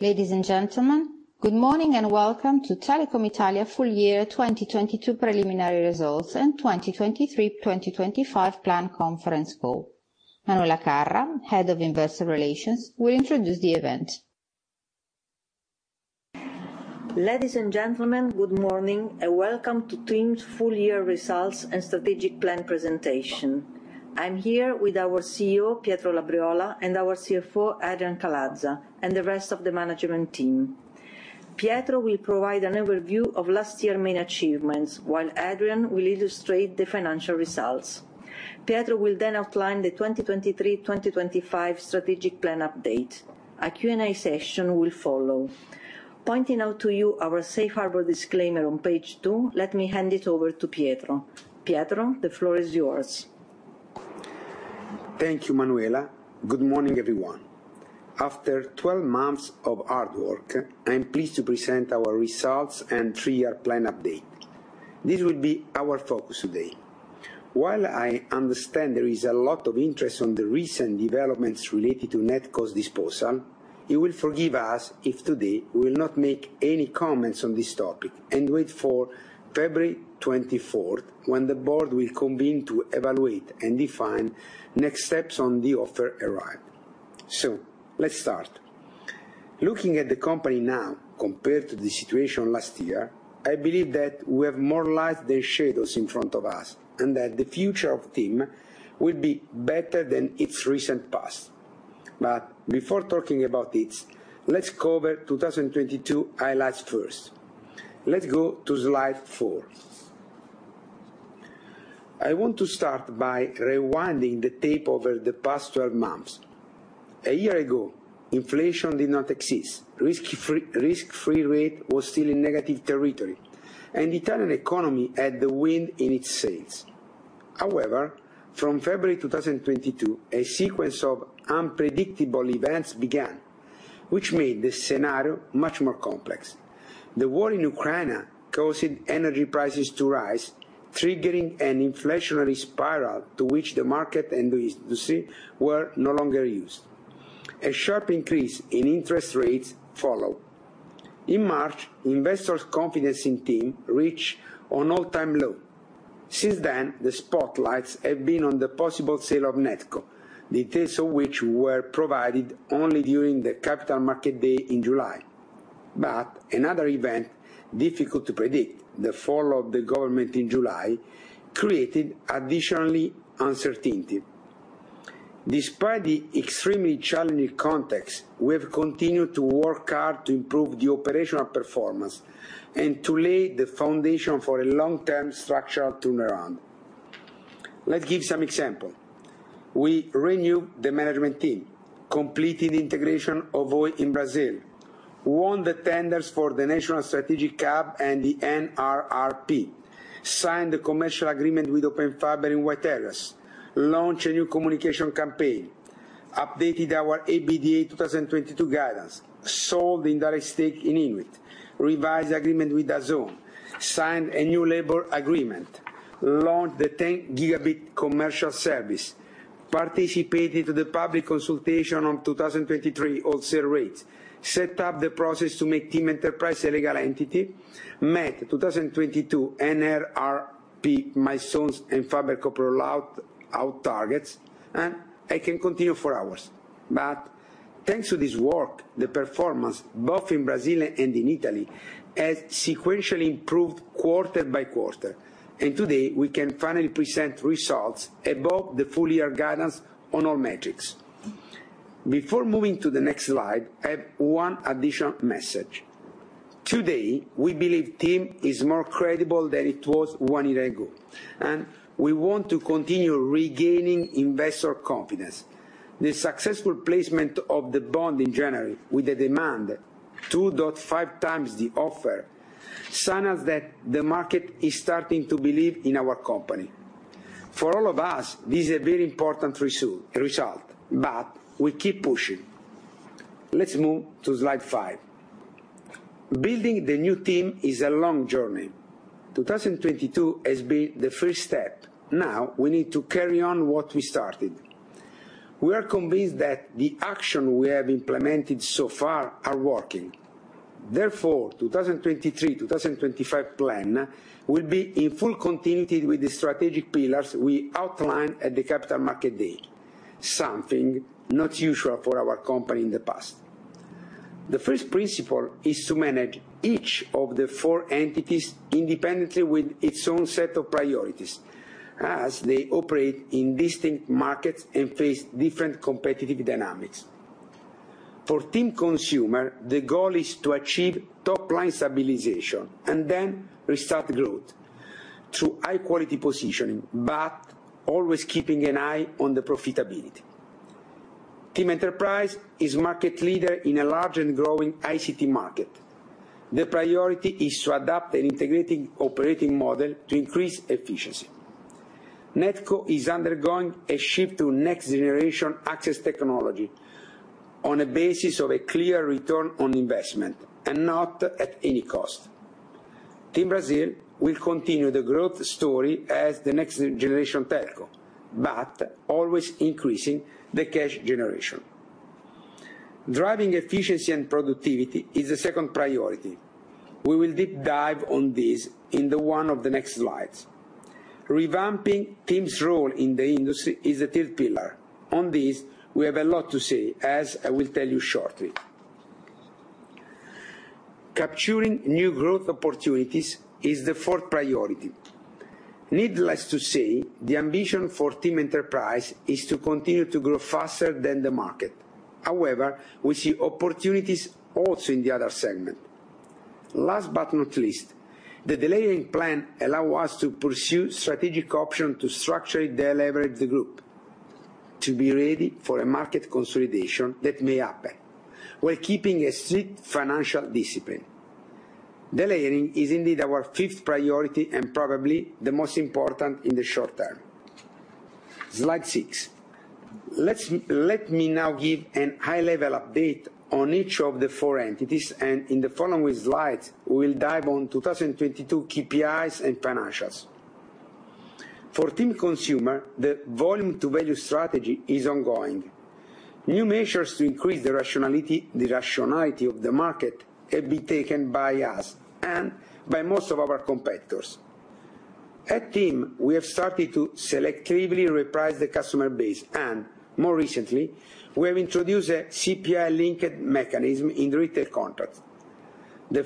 Ladies and gentlemen, good morning and welcome to Telecom Italia full year 2022 preliminary results and 2023-2025 plan conference call. Manuela Carra, Head of Investor Relations, will introduce the event. Ladies and gentlemen, good morning, and welcome to TIM's full year results and strategic plan presentation. I'm here with our CEO, Pietro Labriola, and our CFO, Adrian Calaza, and the rest of the management team. Pietro will provide an overview of last year main achievements, while Adrian will illustrate the financial results. Pietro will then outline the 2023, 2025 strategic plan update. A Q&A session will follow. Pointing out to you our safe harbor disclaimer on page two, let me hand it over to Pietro. Pietro, the floor is yours. Thank you, Manuela. Good morning, everyone. After 12 months of hard work, I'm pleased to present our results and three-year plan update. This will be our focus today. While I understand there is a lot of interest on the recent developments related to NetCo's disposal, you will forgive us if today we will not make any comments on this topic. Wait for February 24th, when the board will convene to evaluate and define next steps on the offer arrived. Let's start. Looking at the company now compared to the situation last year, I believe that we have more light than shadows in front of us. That the future of TIM will be better than its recent past. Before talking about this, let's cover 2022 highlights first. Let's go to slide four. I want to start by rewinding the tape over the past 12 months. A year ago, inflation did not exist. Risk-free rate was still in negative territory. Italian economy had the wind in its sails. From February 2022, a sequence of unpredictable events began, which made the scenario much more complex. The war in Ukraine caused energy prices to rise, triggering an inflationary spiral to which the market and the industry were no longer used. A sharp increase in interest rates followed. In March, investors' confidence in TIM reached an all-time low. Since then, the spotlights have been on the possible sale of NetCo, details of which were provided only during the Capital Markets Day in July. Another event, difficult to predict, the fall of the government in July, created additionally uncertainty. Despite the extremely challenging context, we have continued to work hard to improve the operational performance and to lay the foundation for a long-term structural turnaround. Let's give some example. We renew the management team, completed integration of Oi in Brazil, won the tenders for the National Strategic Hub and the NRRP, signed the commercial agreement with Open Fiber in white areas, launched a new communication campaign, updated our EBITDA-AL 2022 guidance, sold the indirect stake in INWIT, revised agreement with DAZN, signed a new labor agreement, launched the 10 gigabit commercial service, participated to the public consultation on 2023 wholesale rates, set up the process to make TIM Enterprise a legal entity, met 2022 NRRP milestones and FiberCop rollout targets, I can continue for hours. Thanks to this work, the performance, both in Brazil and in Italy, has sequentially improved quarter by quarter. Today, we can finally present results above the full year guidance on all metrics. Before moving to the next slide, I have one additional message. Today, we believe TIM is more credible than it was one year ago, and we want to continue regaining investor confidence. The successful placement of the bond in January with the demand 2.5 times the offer, signs that the market is starting to believe in our company. For all of us, this is a very important result, but we keep pushing. Let's move to slide five. Building the new team is a long journey. 2022 has been the first step. Now we need to carry on what we started. We are convinced that the action we have implemented so far are working. The 2023, 2025 plan will be in full continuity with the strategic pillars we outlined at the Capital Markets Day, something not usual for our company in the past. The first principle is to manage each of the four entities independently with its own set of priorities as they operate in distinct markets and face different competitive dynamics. For TIM Consumer, the goal is to achieve top line stabilization and then restart growth through high quality positioning, always keeping an eye on the profitability. TIM Enterprise is market leader in a large and growing ICT market. The priority is to adapt an integrating operating model to increase efficiency. NetCo is undergoing a shift to next-generation access technology on a basis of a clear return on investment and not at any cost. TIM Brasil will continue the growth story as the next-generation telco, but always increasing the cash generation. Driving efficiency and productivity is the second priority. We will deep dive on this in the one of the next slides. Revamping TIM's role in the industry is the third pillar. On this, we have a lot to say, as I will tell you shortly. Capturing new growth opportunities is the fourth priority. Needless to say, the ambition for TIM Enterprise is to continue to grow faster than the market. However, we see opportunities also in the other segment. Last but not least, the delayering plan allow us to pursue strategic option to structurally deleverage the group to be ready for a market consolidation that may happen, while keeping a strict financial discipline. Delayering is indeed our fifth priority and probably the most important in the short term. Slide six. Let me now give an high-level update on each of the four entities, and in the following slides, we'll dive on 2022 KPIs and financials. For TIM Consumer, the volume to value strategy is ongoing. New measures to increase the rationality of the market have been taken by us and by most of our competitors. At TIM, we have started to selectively reprice the customer base, and more recently, we have introduced a CPI-linked mechanism in retail contracts. The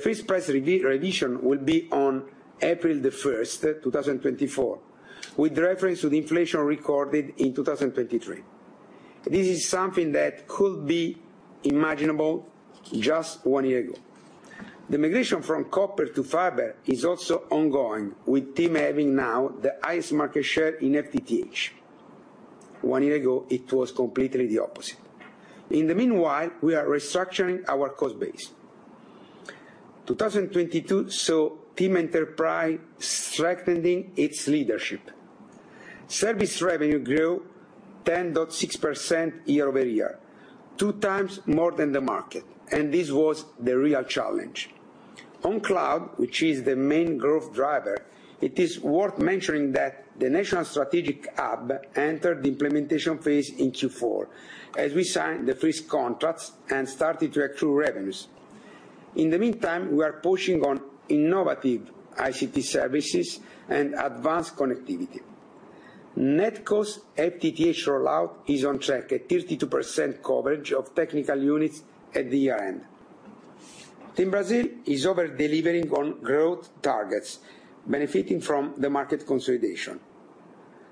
revision will be on April the first, 2024, with reference to the inflation recorded in 2023. This is something that could be imaginable just one year ago. The migration from copper to fiber is also ongoing, with TIM having now the highest market share in FTTH. One year ago, it was completely the opposite. In the meanwhile, we are restructuring our cost base. 2022 saw TIM Enterprise strengthening its leadership. Service revenue grew 10.6% year-over-year, two times more than the market, and this was the real challenge. On cloud, which is the main growth driver, it is worth mentioning that the National Strategic Hub entered the implementation phase in Q4 as we signed the first contracts and started to accrue revenues. In the meantime, we are pushing on innovative ICT services and advanced connectivity. NetCo FTTH rollout is on track at 32% coverage of technical units at the year-end. TIM Brasil is over-delivering on growth targets, benefiting from the market consolidation.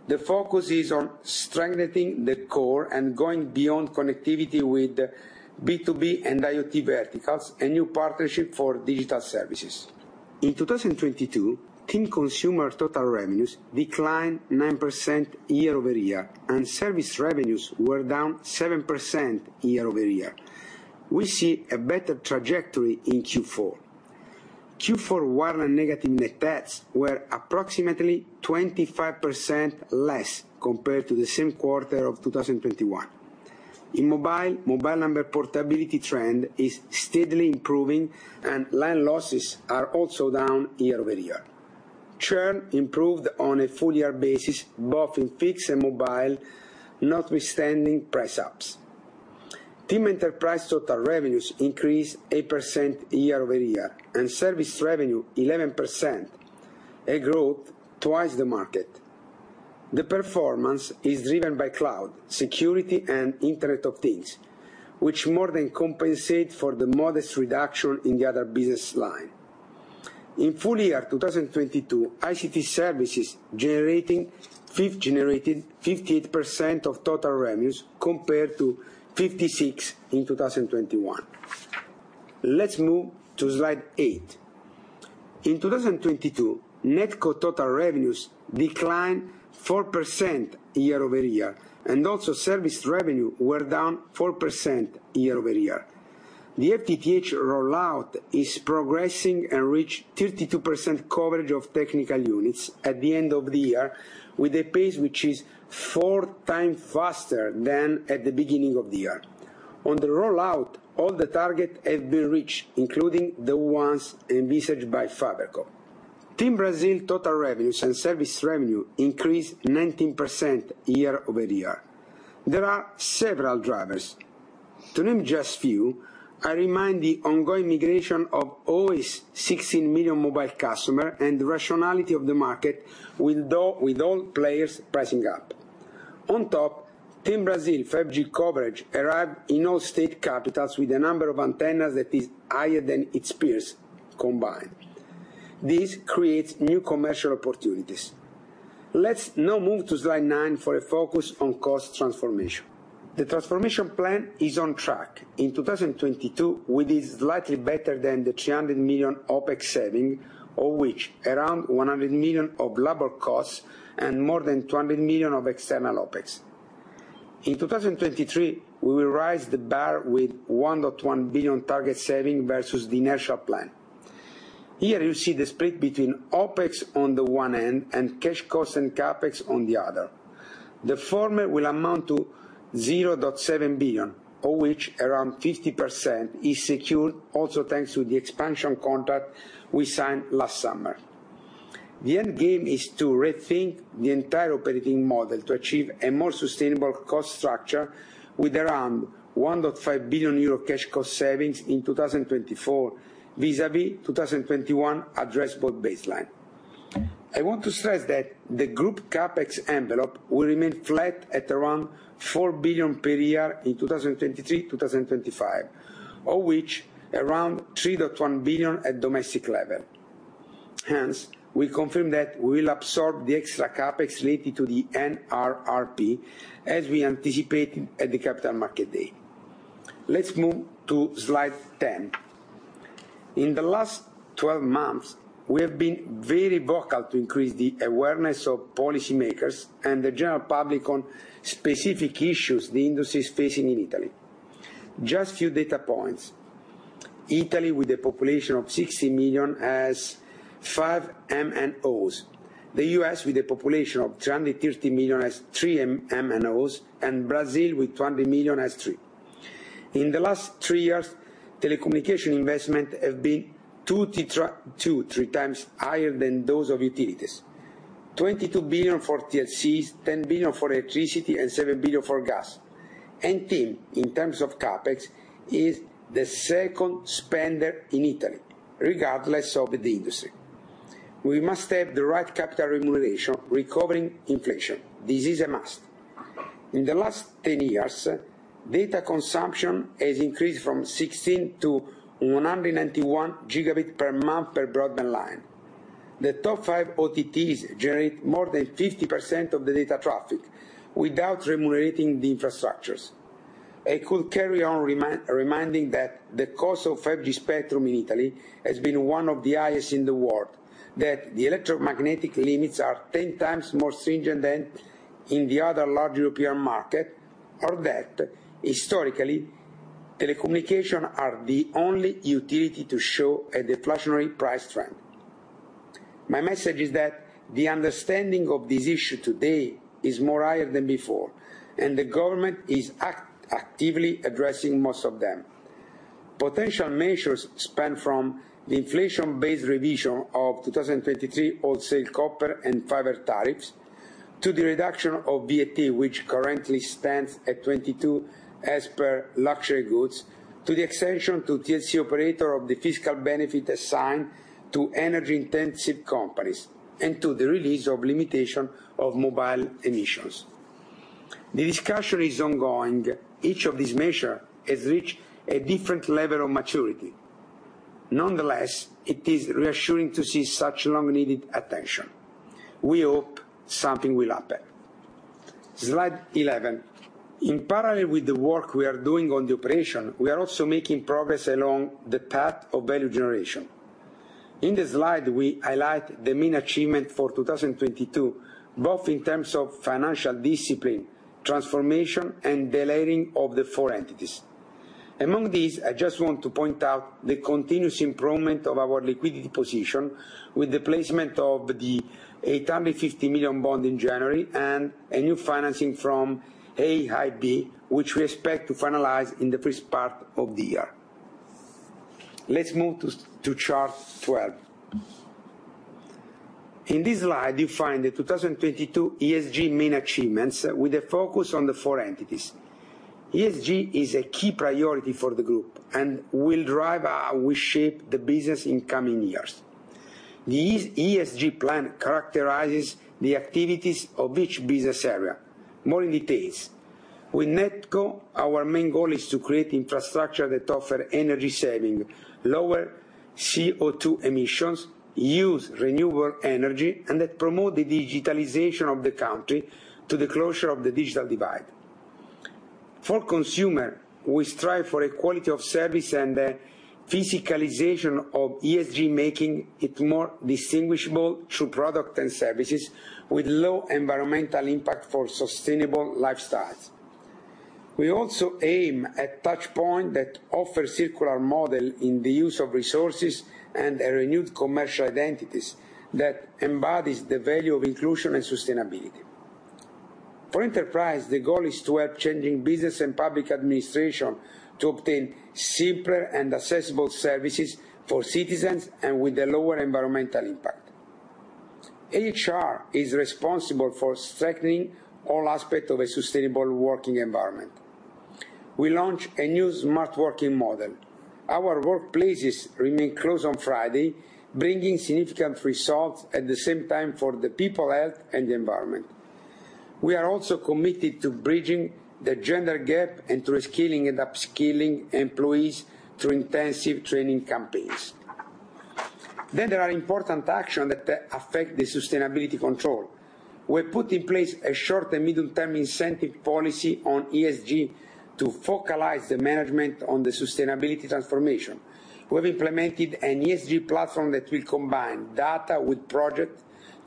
The focus is on strengthening the core and going beyond connectivity with B2B and IoT verticals and new partnership for digital services. In 2022, TIM Consumer total revenues declined 9% year-over-year, and service revenues were down 7% year-over-year. We see a better trajectory in Q4. Q4 wireline negative net adds were approximately 25% less compared to the same quarter of 2021. In mobile number portability trend is steadily improving, and line losses are also down year-over-year. Churn improved on a full-year basis, both in fixed and mobile, notwithstanding price ups. TIM Enterprise total revenues increased 8% year-over-year, Service revenue 11%, a growth twice the market. The performance is driven by cloud, security, and Internet of Things, which more than compensate for the modest reduction in the other business line. In full year 2022, ICT services generated 58% of total revenues, compared to 56 in 2021. Let's move to slide eight. In 2022, NetCo total revenues declined 4% year-over-year, Also service revenue were down 4% year-over-year. The FTTH rollout is progressing and reached 32% coverage of technical units at the end of the year with a pace which is 4 times faster than at the beginning of the year. On the rollout, all the target have been reached, including the ones envisaged by FiberCop. TIM Brasil total revenues and service revenue increased 19% year-over-year. There are several drivers. To name just few, I remind the ongoing migration of almost 16 million mobile customer and the rationality of the market with all players pricing up. On top, TIM Brasil 5G coverage arrived in all state capitals with a number of antennas that is higher than its peers combined. This creates new commercial opportunities. Let's now move to slide 9 for a focus on cost transformation. The transformation plan is on track in 2022, with it slightly better than the 300 million OpEx saving, of which around 100 million of labor costs and more than 200 million of external OpEx. In 2023, we will raise the bar with 1.1 billion target saving versus the initial plan. Here you see the split between OpEx on the one end and cash costs and CapEx on the other. The former will amount to 0.7 billion, of which around 50% is secured also thanks to the expansion contract we signed last summer. The end game is to rethink the entire operating model to achieve a more sustainable cost structure with around 1.5 billion euro cash cost savings in 2024 vis-à-vis 2021 addressable baseline. I want to stress that the group CapEx envelope will remain flat at around 4 billion per year in 2023, 2025, of which around 3.1 billion at domestic level. We confirm that we'll absorb the extra CapEx related to the NRRP as we anticipated at the Capital Markets Day. Let's move to slide 10. In the last 12 months, we have been very vocal to increase the awareness of policymakers and the general public on specific issues the industry is facing in Italy. Just few data points. Italy, with a population of 60 million, has five MNOs. The U.S., with a population of 330 million, has three MNOs, and Brazil with 20 million has three. In the last three years, telecommunication investment have been two to three times higher than those of utilities. 22 billion for TLCs, 10 billion for electricity an 7 billion for gas. TIM, in terms of CapEx, is the 2nd spender in Italy, regardless of the industry. We must have the right capital remuneration recovering inflation. This is a must. In the last 10 years, data consumption has increased from 16-191 gigabit per month per broadband line. The top five OTTs generate more than 50% of the data traffic without remunerating the infrastructures. I could carry on reminding that the cost of 5G spectrum in Italy has been one of the highest in the world, that the electromagnetic limits are 10 times more stringent than in the other large European market, or that historically, telecommunication are the only utility to show a deflationary price trend. My message is that the understanding of this issue today is more higher than before. The government is actively addressing most of them. Potential measures span from the inflation-based revision of 2023 wholesale copper and fiber tariffs to the reduction of VAT, which currently stands at 22% as per luxury goods, to the extension to TLC operator of the fiscal benefit assigned to energy-intensive companies and to the release of limitation of mobile emissions. The discussion is ongoing. Each of these measure has reached a different level of maturity. Nonetheless, it is reassuring to see such long-needed attention. We hope something will happen. Slide 11. In parallel with the work we are doing on the operation, we are also making progress along the path of value generation. In this slide, we highlight the main achievement for 2022, both in terms of financial discipline, transformation, and the layering of the four entities. Among these, I just want to point out the continuous improvement of our liquidity position with the placement of the 850 million bond in January and a new financing from EIB, which we expect to finalize in the first part of the year. Let's move to chart 12. In this slide, you find the 2022 ESG main achievements with a focus on the four entities. ESG is a key priority for the group and will drive how we shape the business in coming years. The ESG plan characterizes the activities of each business area. More in details. With NetCo, our main goal is to create infrastructure that offer energy saving, lower CO2 emissions, use renewable energy, and that promote the digitalization of the country to the closure of the digital divide. For Consumer, we strive for a quality of service and a physicalization of ESG, making it more distinguishable through product and services with low environmental impact for sustainable lifestyles. We also aim at touchpoint that offer circular model in the use of resources and a renewed commercial identities that embodies the value of inclusion and sustainability. For enterprise, the goal is toward changing business and public administration to obtain simpler and accessible services for citizens and with a lower environmental impact. HR is responsible for strengthening all aspect of a sustainable working environment. We launch a new smart working model. Our workplaces remain closed on Friday, bringing significant results at the same time for the people health and the environment. We are also committed to bridging the gender gap and reskilling and upskilling employees through intensive training campaigns. There are important action that affect the sustainability control. We put in place a short and mid-term incentive policy on ESG to focalize the management on the sustainability transformation. We've implemented an ESG platform that will combine data with project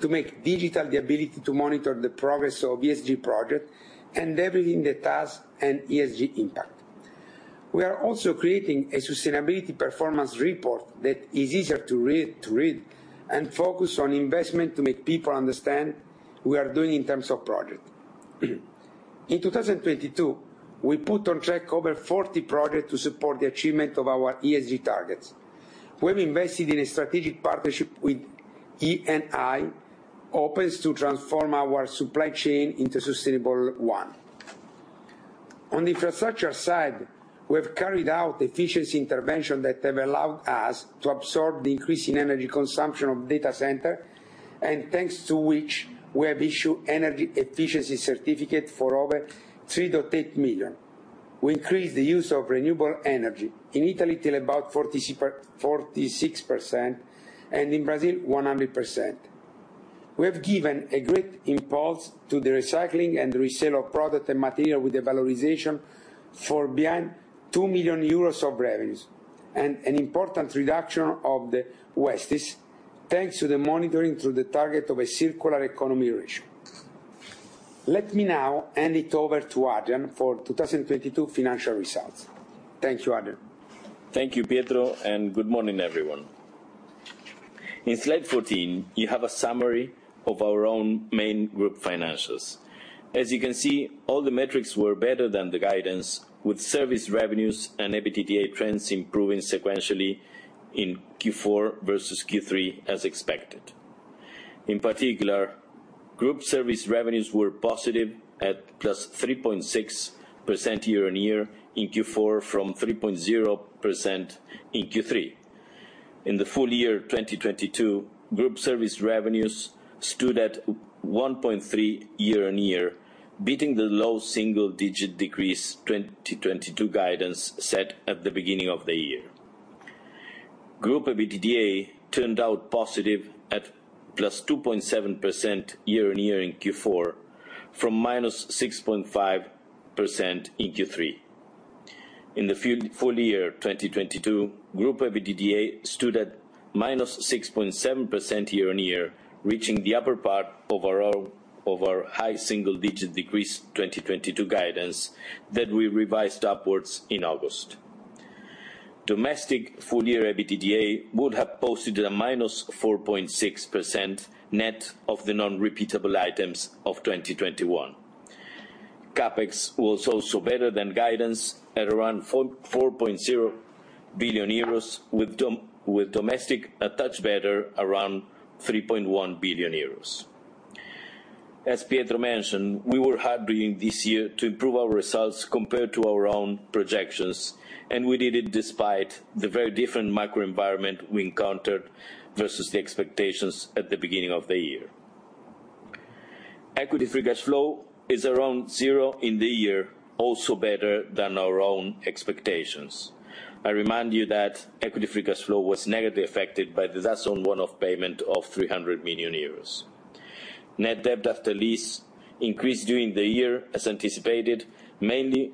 to make digital the ability to monitor the progress of ESG project and labeling the task and ESG impact. We are also creating a sustainability performance report that is easier to read and focus on investment to make people understand we are doing in terms of project. In 2022, we put on track over 40 projects to support the achievement of our ESG targets. We've invested in a strategic partnership with Eni Open-es to transform our supply chain into sustainable one. On the infrastructure side, we have carried out efficiency intervention that have allowed us to absorb the increase in energy consumption of data center. Thanks to which we have issued energy efficiency certificate for over 3.8 million. We increased the use of renewable energy in Italy to about 46% and in Brazil 100%. We have given a great impulse to the recycling and resale of product and material with the valorization for beyond 2 million euros of revenues, and an important reduction of the waste. This, thanks to the monitoring through the target of a circular economy ratio. Let me now hand it over to Adrian for 2022 financial results. Thank you, Adrian. Thank you, Pietro. Good morning, everyone. In slide 14, you have a summary of our own main group financials. As you can see, all the metrics were better than the guidance with service revenues and EBITDA trends improving sequentially in Q4 versus Q3 as expected. In particular, group service revenues were positive at +3.6% year-on-year in Q4 from 3.0% in Q3. In the full year 2022, group service revenues stood at 1.3% year-on-year, beating the low single-digit decrease 2022 guidance set at the beginning of the year. Group EBITDA turned out positive at +2.7% year-on-year in Q4 from -6.5% in Q3. In the full year 2022, group EBITDA stood at minus 6.7% year-on-year, reaching the upper part of our high single digit decrease 2022 guidance that we revised upwards in August. Domestic full year EBITDA would have posted a minus 4.6% net of the non-repeatable items of 2021. CapEx was also better than guidance at around 4.0 billion euros with domestic a touch better around 3.1 billion euros. As Pietro mentioned, we were happy this year to improve our results compared to our own projections. We did it despite the very different macro environment we encountered versus the expectations at the beginning of the year. Equity free cash flow is around zero in the year, also better than our own expectations. I remind you that equity free cash flow was negatively affected by the DAZN one-off payment of 300 million euros. Net debt after lease increased during the year as anticipated, mainly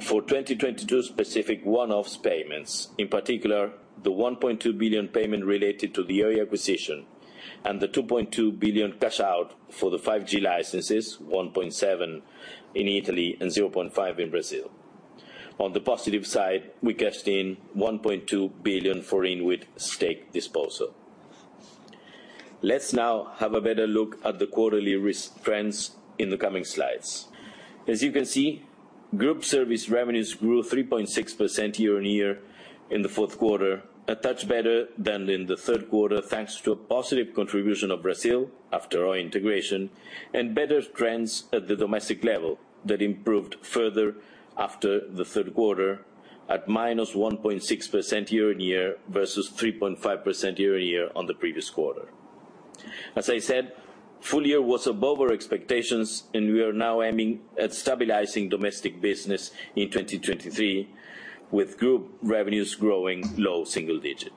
for 2022 specific one-offs payments. In particular, the 1.2 billion payment related to the Oi acquisition and the 2.2 billion cash out for the 5G licenses, 1.7 billion in Italy and 0.5 billion in Brazil. On the positive side, we cashed in 1.2 billion for INWIT stake disposal. Let's now have a better look at the quarterly risk trends in the coming slides. Group service revenues grew 3.6% year-on-year in the fourth quarter, a touch better than in the third quarter, thanks to a positive contribution of Brazil after our integration and better trends at the domestic level that improved further after the third quarter at -1.6% year-on-year versus 3.5% year-on-year on the previous quarter. Full year was above our expectations, we are now aiming at stabilizing domestic business in 2023 with group revenues growing low single digit.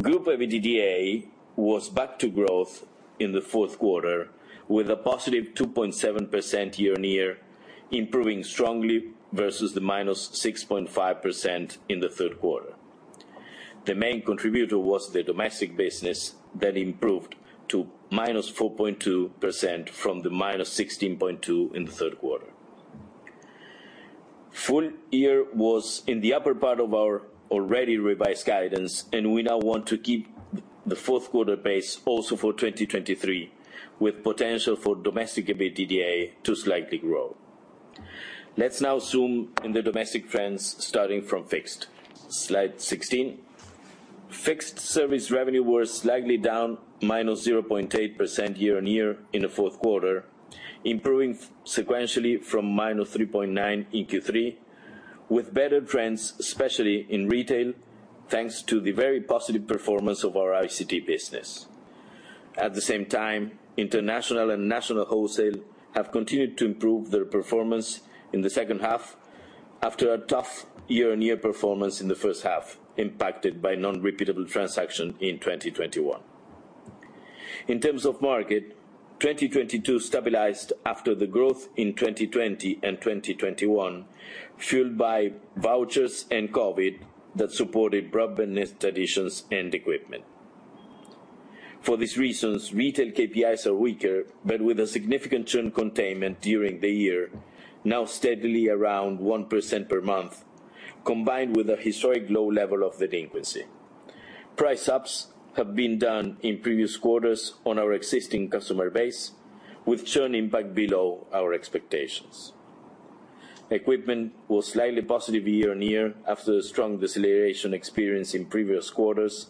Group EBITDA was back to growth in the fourth quarter with a positive 2.7% year-on-year, improving strongly versus the -6.5% in the third quarter. The main contributor was the domestic business that improved to -4.2% from the -16.2% in the third quarter. Full year was in the upper part of our already revised guidance. We now want to keep the fourth quarter base also for 2023, with potential for domestic EBITDA to slightly grow. Let's now zoom in the domestic trends starting from fixed. Slide 16. Fixed service revenue was slightly down minus 0.8% year-on-year in the fourth quarter, improving sequentially from minus 3.9 in Q3, with better trends especially in retail, thanks to the very positive performance of our ICT business. At the same time, international and national wholesale have continued to improve their performance in the second half after a tough year-on-year performance in the first half, impacted by non-repeatable transaction in 2021. In terms of market, 2022 stabilized after the growth in 2020 and 2021, fueled by vouchers and COVID that supported broadband additions and equipment. For these reasons, retail KPIs are weaker, but with a significant churn containment during the year, now steadily around 1% per month, combined with a historic low level of delinquency. Price ups have been done in previous quarters on our existing customer base, with churn impact below our expectations. Equipment was slightly positive year-on-year after the strong deceleration experienced in previous quarters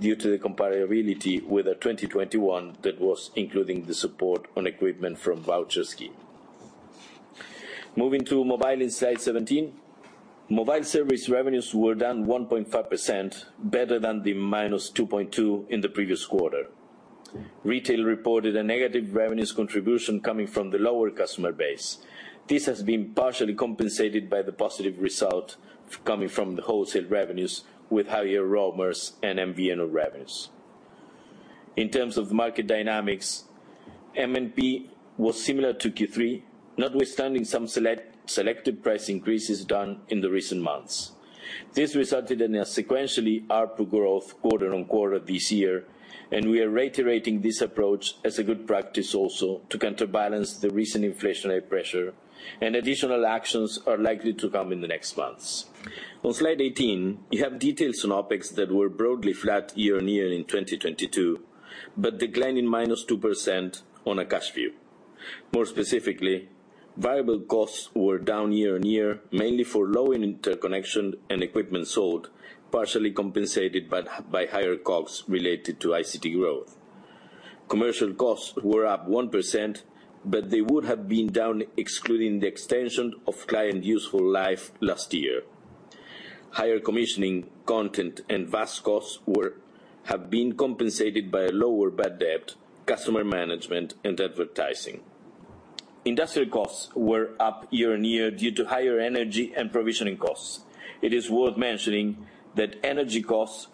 due to the comparability with the 2021 that was including the support on equipment from voucher scheme. Moving to mobile in slide 17. Mobile service revenues were down 1.5%, better than the -2.2% in the previous quarter. Retail reported a negative revenues contribution coming from the lower customer base. This has been partially compensated by the positive result coming from the wholesale revenues with higher roamers and MVNO revenues. In terms of market dynamics, MNP was similar to Q3, notwithstanding some selected price increases done in the recent months. This resulted in a sequentially ARPU growth quarter-on-quarter this year, and we are reiterating this approach as a good practice also to counterbalance the recent inflationary pressure, and additional actions are likely to come in the next months. On slide 18, you have details on OpEx that were broadly flat year-on-year in 2022, but declined in -2% on a cash view. More specifically, variable costs were down year-on-year, mainly for low interconnection and equipment sold, partially compensated by higher costs related to ICT growth. Commercial costs were up 1%, but they would have been down excluding the extension of client useful life last year. Higher commissioning content and VAS costs have been compensated by a lower bad debt, customer management, and advertising. Industrial costs were up year-on-year due to higher energy and provisioning costs. It is worth mentioning that energy costs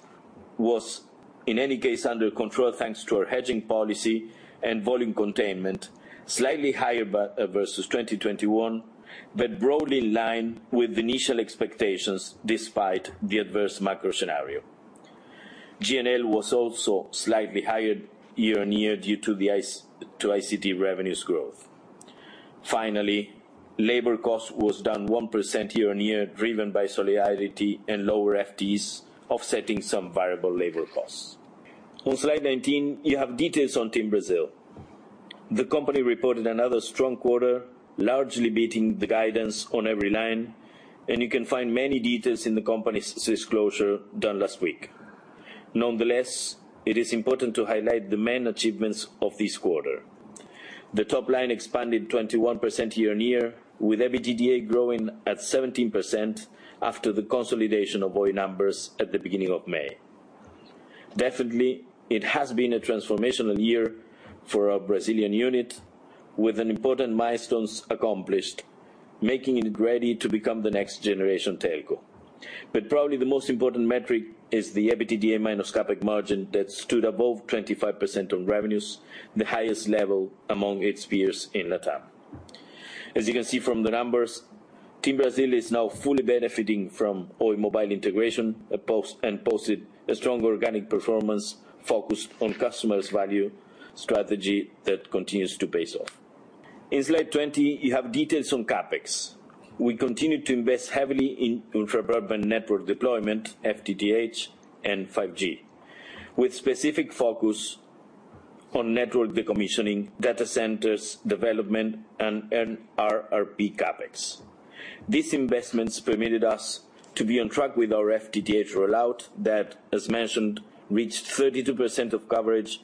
was, in any case, under control, thanks to our hedging policy and volume containment, slightly higher but versus 2021, but broadly in line with the initial expectations despite the adverse macro scenario. G&A was also slightly higher year-on-year due to the to ICT revenues growth. Labor cost was down 1% year-on-year, driven by solidarity and lower FTEs, offsetting some variable labor costs. On slide 19, you have details on TIM Brasil. The company reported another strong quarter, largely beating the guidance on every line, and you can find many details in the company's disclosure done last week. It is important to highlight the main achievements of this quarter. The top line expanded 21% year-on-year, with EBITDA growing at 17% after the consolidation of Oi numbers at the beginning of May. Definitely, it has been a transformational year for our Brazilian unit with an important milestones accomplished, making it ready to become the next generation telco. Probably the most important metric is the EBITDA minus CapEx margin that stood above 25% on revenues, the highest level among its peers in Latam. As you can see from the numbers, TIM Brasil is now fully benefiting from Oi mobile integration, and posted a strong organic performance focused on customers value strategy that continues to pay off. In slide 20, you have details on CapEx. We continue to invest heavily in ultra-broadband network deployment, FTTH and 5G, with specific focus on network decommissioning, data centers, development, and NRRP CapEx. These investments permitted us to be on track with our FTTH rollout that, as mentioned, reached 32% of coverage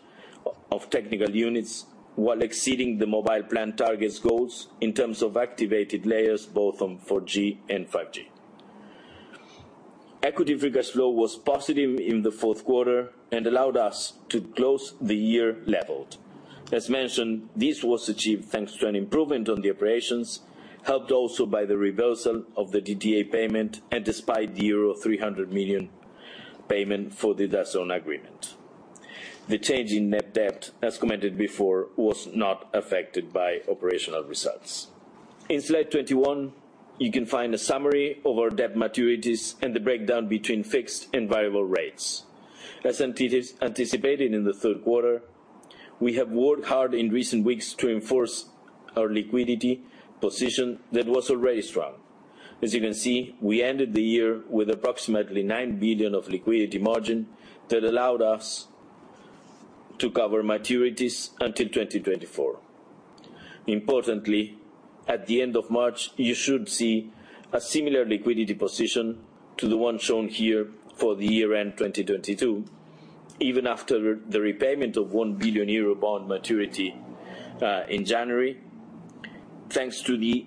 of technical units while exceeding the mobile plan targets goals in terms of activated layers, both on 4G and 5G. Equity free cash flow was positive in the fourth quarter and allowed us to close the year leveled. As mentioned, this was achieved thanks to an improvement on the operations, helped also by the reversal of the DTA payment and despite the 300 million payment for the DAZN agreement. The change in net debt, as commented before, was not affected by operational results. In slide 21, you can find a summary of our debt maturities and the breakdown between fixed and variable rates. As anticipated in the third quarter, we have worked hard in recent weeks to enforce our liquidity position that was already strong. As you can see, we ended the year with approximately 9 billion of liquidity margin that allowed us to cover maturities until 2024. Importantly, at the end of March, you should see a similar liquidity position to the one shown here for the year-end 2022, even after the repayment of 1 billion bond maturity in January, thanks to the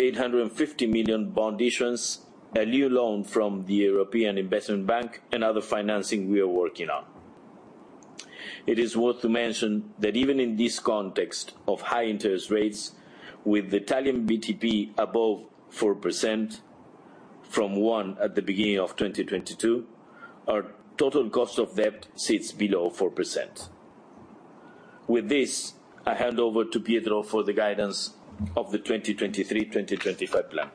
850 million bond issuance, a new loan from the European Investment Bank and other financing we are working on. It is worth to mention that even in this context of high interest rates, with Italian BTP above 4% from one at the beginning of 2022, our total cost of debt sits below 4%. With this, I hand over to Pietro for the guidance of the 2023-2025 plan.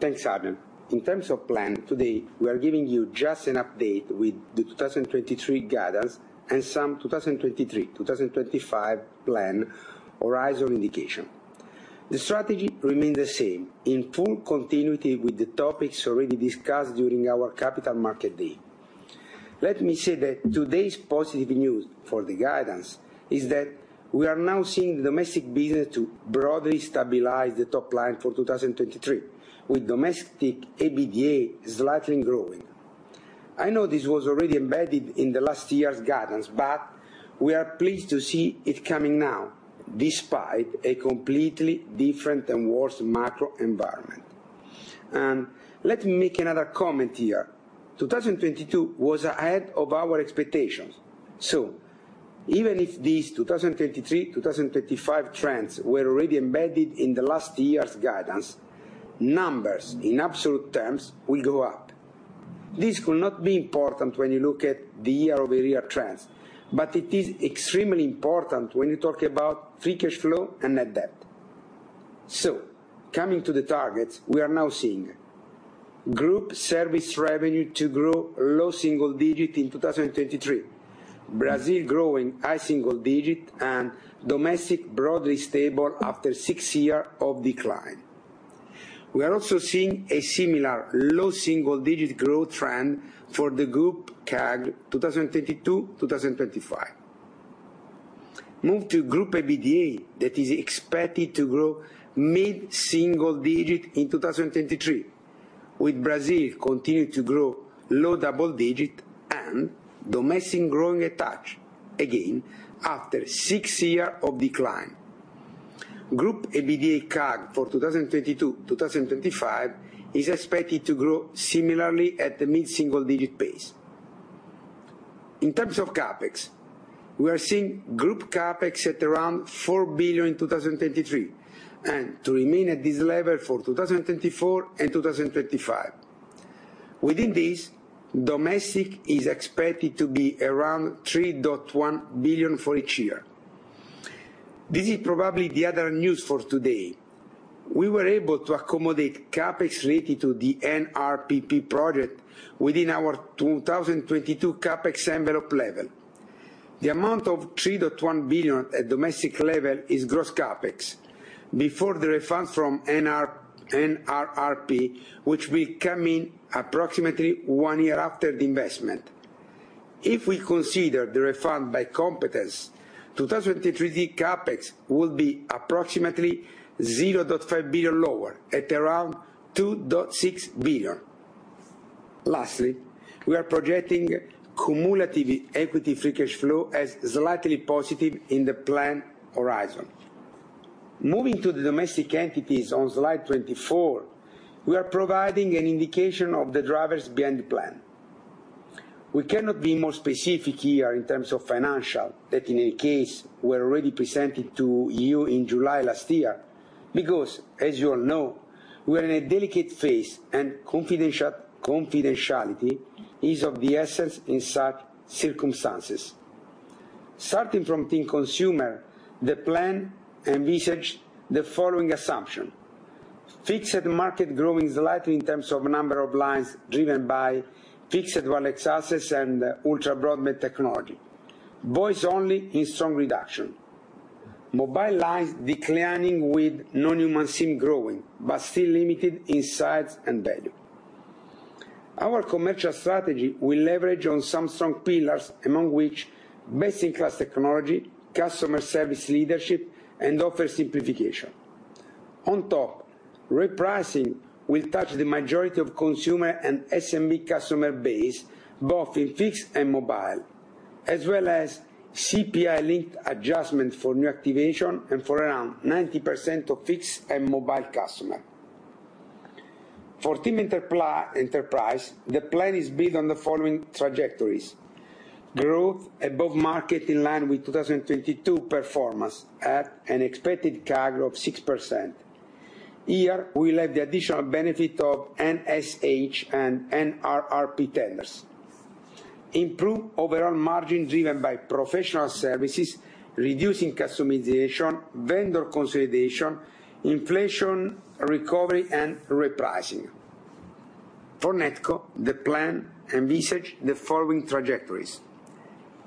Thanks, Adrian. In terms of plan, today we are giving you just an update with the 2023 guidance and some 2023/2025 plan horizon indication. The strategy remains the same, in full continuity with the topics already discussed during our Capital Markets Day. Let me say that today's positive news for the guidance is that we are now seeing domestic business to broadly stabilize the top line for 2023, with domestic EBITDA slightly growing. I know this was already embedded in the last year's guidance, we are pleased to see it coming now, despite a completely different and worse macro environment. Let me make another comment here. 2022 was ahead of our expectations. Even if these 2023, 2025 trends were already embedded in the last year's guidance, numbers in absolute terms will go up. This could not be important when you look at the year-over-year trends, but it is extremely important when you talk about free cash flow and net debt. Coming to the targets we are now seeing. Group service revenue to grow low single-digit in 2023. Brazil growing high single-digit and domestic broadly stable after six year of decline. We are also seeing a similar low single-digit growth trend for the group CAGR 2022, 2025. Move to group EBITDA that is expected to grow mid-single-digit in 2023, with Brazil continuing to grow low double-digit and domestic growing a touch again after six year of decline. Group EBITDA CAGR for 2022, 2025 is expected to grow similarly at the mid-single-digit pace. In terms of CapEx, we are seeing group CapEx at around 4 billion in 2023, and to remain at this level for 2024 and 2025. Within this, domestic is expected to be around 3.1 billion for each year. This is probably the other news for today. We were able to accommodate CapEx related to the PNRR project within our 2022 CapEx envelope level. The amount of 3.1 billion at domestic level is gross CapEx before the refunds from PNRR, which will come in approximately one year after the investment. If we consider the refund by competence, 2023 CapEx will be approximately 0.5 billion lower, at around 2.6 billion. Lastly, we are projecting cumulative equity free cash flow as slightly positive in the plan horizon. Moving to the domestic entities on slide 24, we are providing an indication of the drivers behind the plan. We cannot be more specific here in terms of financial that in any case we already presented to you in July last year, because as you all know, we are in a delicate phase and confidentiality is of the essence in such circumstances. Starting from TIM Consumer, the plan envisaged the following assumption: Fixed market growing slightly in terms of number of lines driven by fixed wireless access and ultra broadband technology. Voice only in strong reduction. Mobile lines declining with non-human SIM growing, but still limited in size and value. Our commercial strategy will leverage on some strong pillars, among which best-in-class technology, customer service leadership and offer simplification. On top, repricing will touch the majority of consumer and SMB customer base, both in fixed and mobile, as well as CPI-linked adjustment for new activation and for around 90% of fixed and mobile customer. For TIM Enterprise, the plan is built on the following trajectories. Growth above market in line with 2022 performance at an expected CAGR of 6%. Here, we'll have the additional benefit of NSH and NRRP tenders. Improved overall margin driven by professional services, reducing customization, vendor consolidation, inflation recovery and repricing. For NetCo, the plan envisage the following trajectories.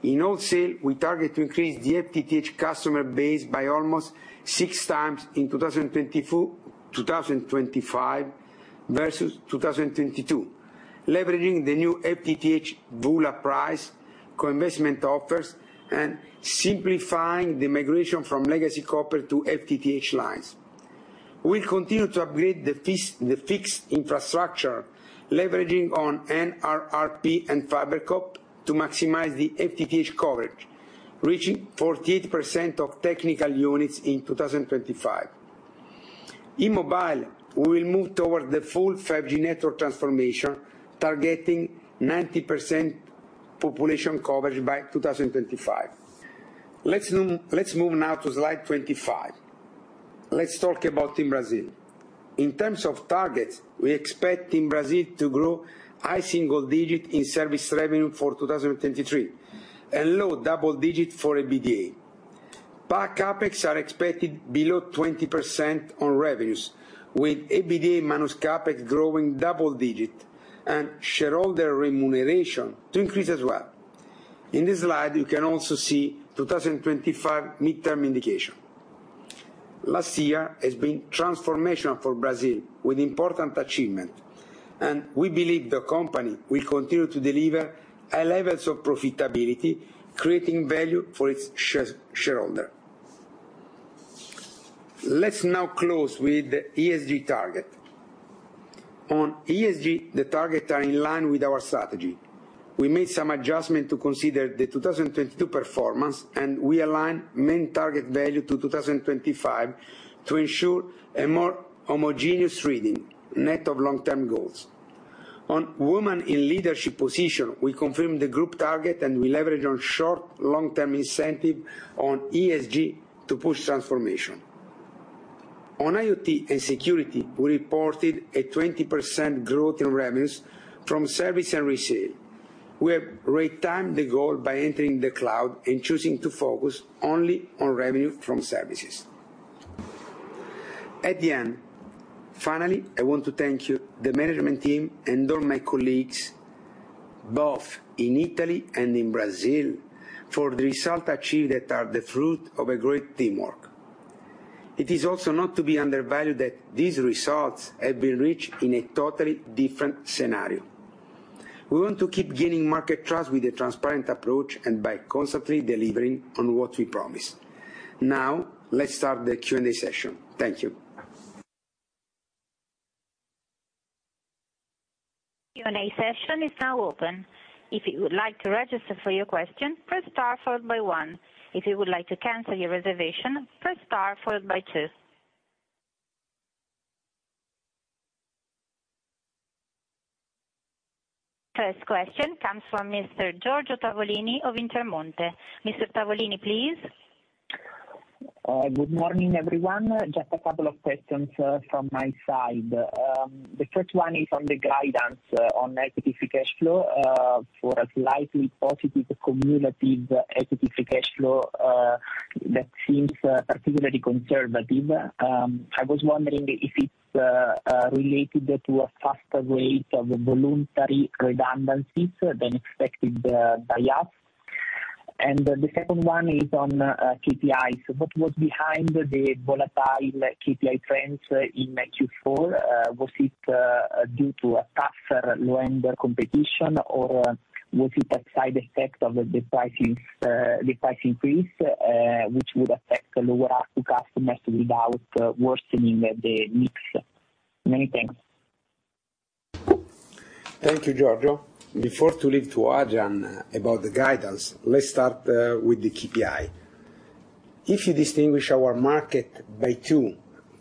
In wholesale, we target to increase the FTTH customer base by almost 6 times in 2024, 2025 versus 2022, leveraging the new FTTH VULA price, co-investment offers and simplifying the migration from legacy copper to FTTH lines. We continue to upgrade the fixed infrastructure, leveraging on NRRP and FiberCop to maximize the FTTH coverage, reaching 48% of technical units in 2025. In mobile, we will move toward the full 5G network transformation, targeting 90% population coverage by 2025. Let's move now to slide 25. Let's talk about TIM Brasil. In terms of targets, we expect TIM Brasil to grow high single digit in service revenue for 2023, and low double-digit for EBITDA. CapEx are expected below 20% on revenues, with EBITDA minus CapEx growing double-digit and shareholder remuneration to increase as well. In this slide, you can also see 2025 midterm indication. Last year has been transformational for Brazil with important achievement, and we believe the company will continue to deliver high levels of profitability, creating value for its shareholder. Let's now close with the ESG target. On ESG, the target are in line with our strategy. We made some adjustment to consider the 2022 performance, and we align main target value to 2025 to ensure a more homogeneous reading net of long-term goals. On women in leadership position, we confirm the group target, and we leverage on short, long-term incentive on ESG to push transformation. On IoT and security, we reported a 20% growth in revenues from service and resale. We have retimed the goal by entering the cloud and choosing to focus only on revenue from services. At the end, finally, I want to thank you, the management team and all my colleagues, both in Italy and in Brazil, for the result achieved that are the fruit of a great teamwork. It is also not to be undervalued that these results have been reached in a totally different scenario. We want to keep gaining market trust with a transparent approach and by constantly delivering on what we promise. Let's start the Q&A session. Thank you. Q&A session is now open. If you would like to register for your question, press star followed by one. If you would like to cancel your reservation, press star followed by two. First question comes from Mr. Giorgio Tavolini of Intermonte. Mr. Tavolini, please. Good morning, everyone. Just a couple of questions from my side. The first one is on the guidance on FCF flow for a slightly positive cumulative FCF flow that seems particularly conservative. I was wondering if it's related to a faster rate of voluntary redundancies than expected by us. The second one is on KPIs. What was behind the volatile KPI trends in Q4? Was it due to a tougher lender competition, or was it a side effect of the pricing, the price increase, which would affect lower ARPU customers without worsening the mix? Many thanks. Thank you, Giorgio. Before to leave to Adrian about the guidance, let's start with the KPI. If you distinguish our market by two,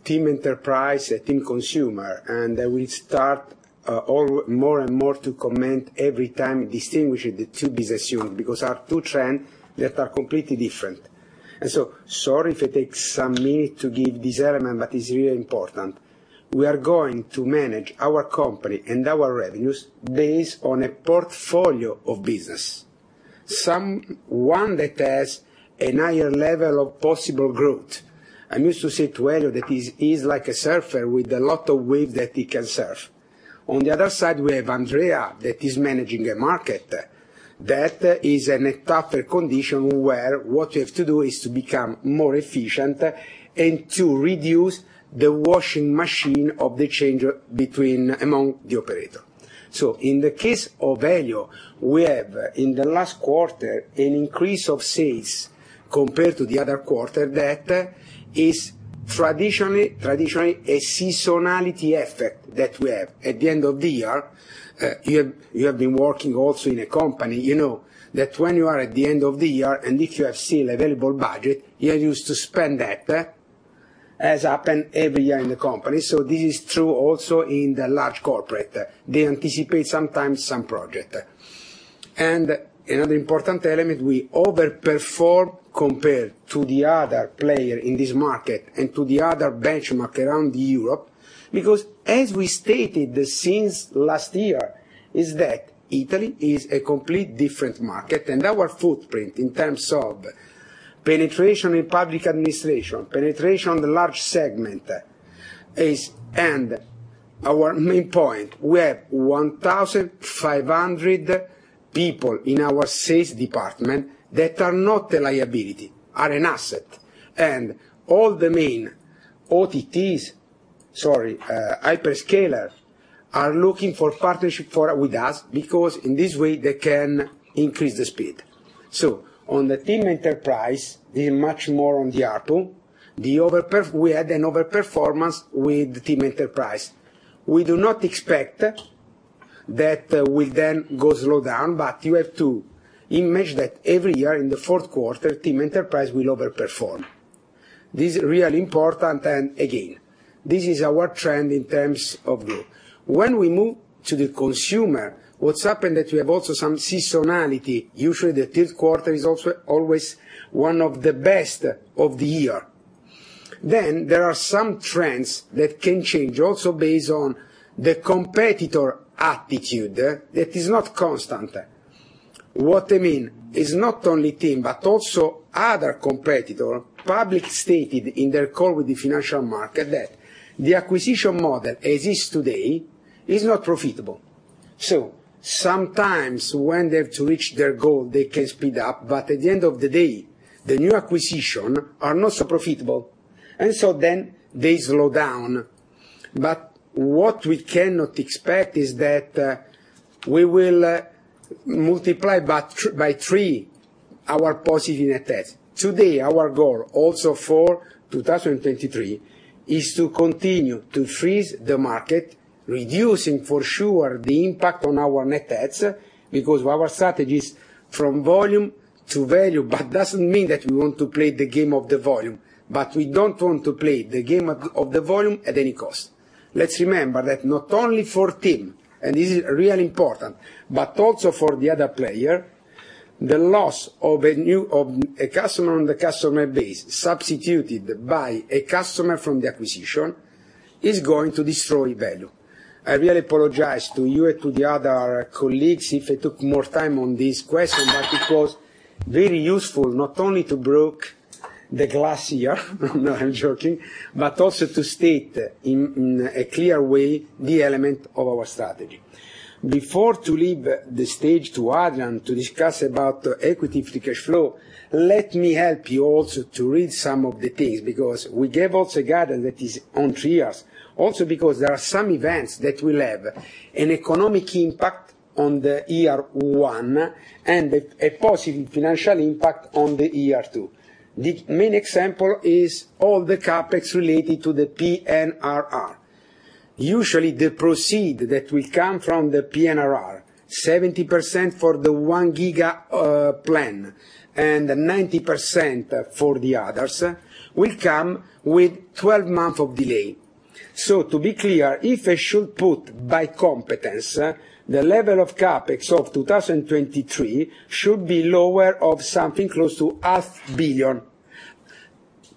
TIM Enterprise and TIM Consumer, we start all more and more to comment every time distinguishing the two business unit, because are two trend that are completely different. Sorry if it takes some minute to give this element, but it's really important. We are going to manage our company and our revenues based on a portfolio of business. One that has a higher level of possible growth. I'm used to say to Elio that he's like a surfer with a lot of wave that he can surf. On the other side, we have Andrea that is managing a market that is in a tougher condition, where what you have to do is to become more efficient and to reduce the washing machine of the change among the operator. In the case of Elio, we have, in the last quarter, an increase of sales compared to the other quarter that is traditionally a seasonality effect that we have at the end of the year. You have been working also in a company, you know that when you are at the end of the year and if you have seen available budget, you are used to spend that, as happen every year in the company. This is true also in the large corporate. They anticipate sometimes some project. Another important element, we overperform compared to the other player in this market and to the other benchmark around Europe. As we stated since last year, Italy is a complete different market, and our footprint in terms of penetration in public administration, penetration in the large segment. Our main point, we have 1,500 people in our sales department that are not a liability, are an asset. All the main OTTs, sorry, hyperscaler are looking for partnership for with us because in this way they can increase the speed. On the TIM Enterprise, in much more on the ARPU, we had an overperformance with TIM Enterprise. We do not expect that we then go slow down, but you have to imagine that every year in the fourth quarter, TIM Enterprise will overperform. This is really important. Again, this is our trend in terms of growth. When we move to the consumer, what's happened that we have also some seasonality. Usually, the 3rd quarter is also always one of the best of the year. There are some trends that can change also based on the competitor attitude that is not constant. What I mean, is not only TIM but also other competitor public stated in their call with the financial market that the acquisition model as is today is not profitable. Sometimes when they have to reach their goal, they can speed up. At the end of the day, the new acquisition are not so profitable, and so then they slow down. What we cannot expect is that we will multiply by three our positive net adds. Today our goal also for 2023 is to continue to freeze the market, reducing for sure the impact on our net adds, because our strategy is from volume to value. It doesn't mean that we want to play the game of the volume, but we don't want to play the game of the volume at any cost. Let's remember that not only for TIM, and this is really important, but also for the other player, the loss of a customer on the customer base substituted by a customer from the acquisition is going to destroy value. I really apologize to you and to the other colleagues if I took more time on this question, but it was very useful not only to broke the glass here. No, I'm joking, but also to state in a clear way the element of our strategy. Before to leave the stage to Adrian to discuss about equity free cash flow, let me help you also to read some of the things, because we gave also a guidance that is on three years. Because there are some events that will have an economic impact on the year one and a positive financial impact on the year two. The main example is all the CapEx related to the PNRR. Usually the proceed that will come from the PNRR, 70% for the 1 Giga plan and 90% for the others, will come with 12 month of delay. To be clear, if I should put by competence, the level of CapEx of 2023 should be lower of something close to EUR half billion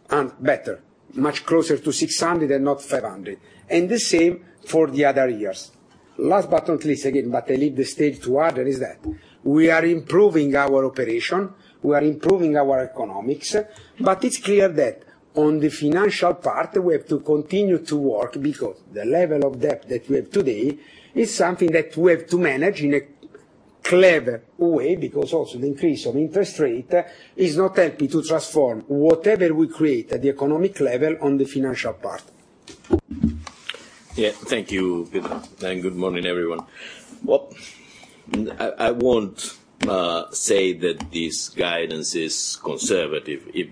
and better, much closer to 600 million and not 500 million. The same for the other years. Last but not least, again, I leave the stage to Adrian is that we are improving our operation, we are improving our economics. It's clear that on the financial part we have to continue to work because the level of debt that we have today is something that we have to manage in a clever way because also the increase of interest rate is not helping to transform whatever we create at the economic level on the financial part. Thank you, Pietro, and good morning, everyone. I won't say that this guidance is conservative. If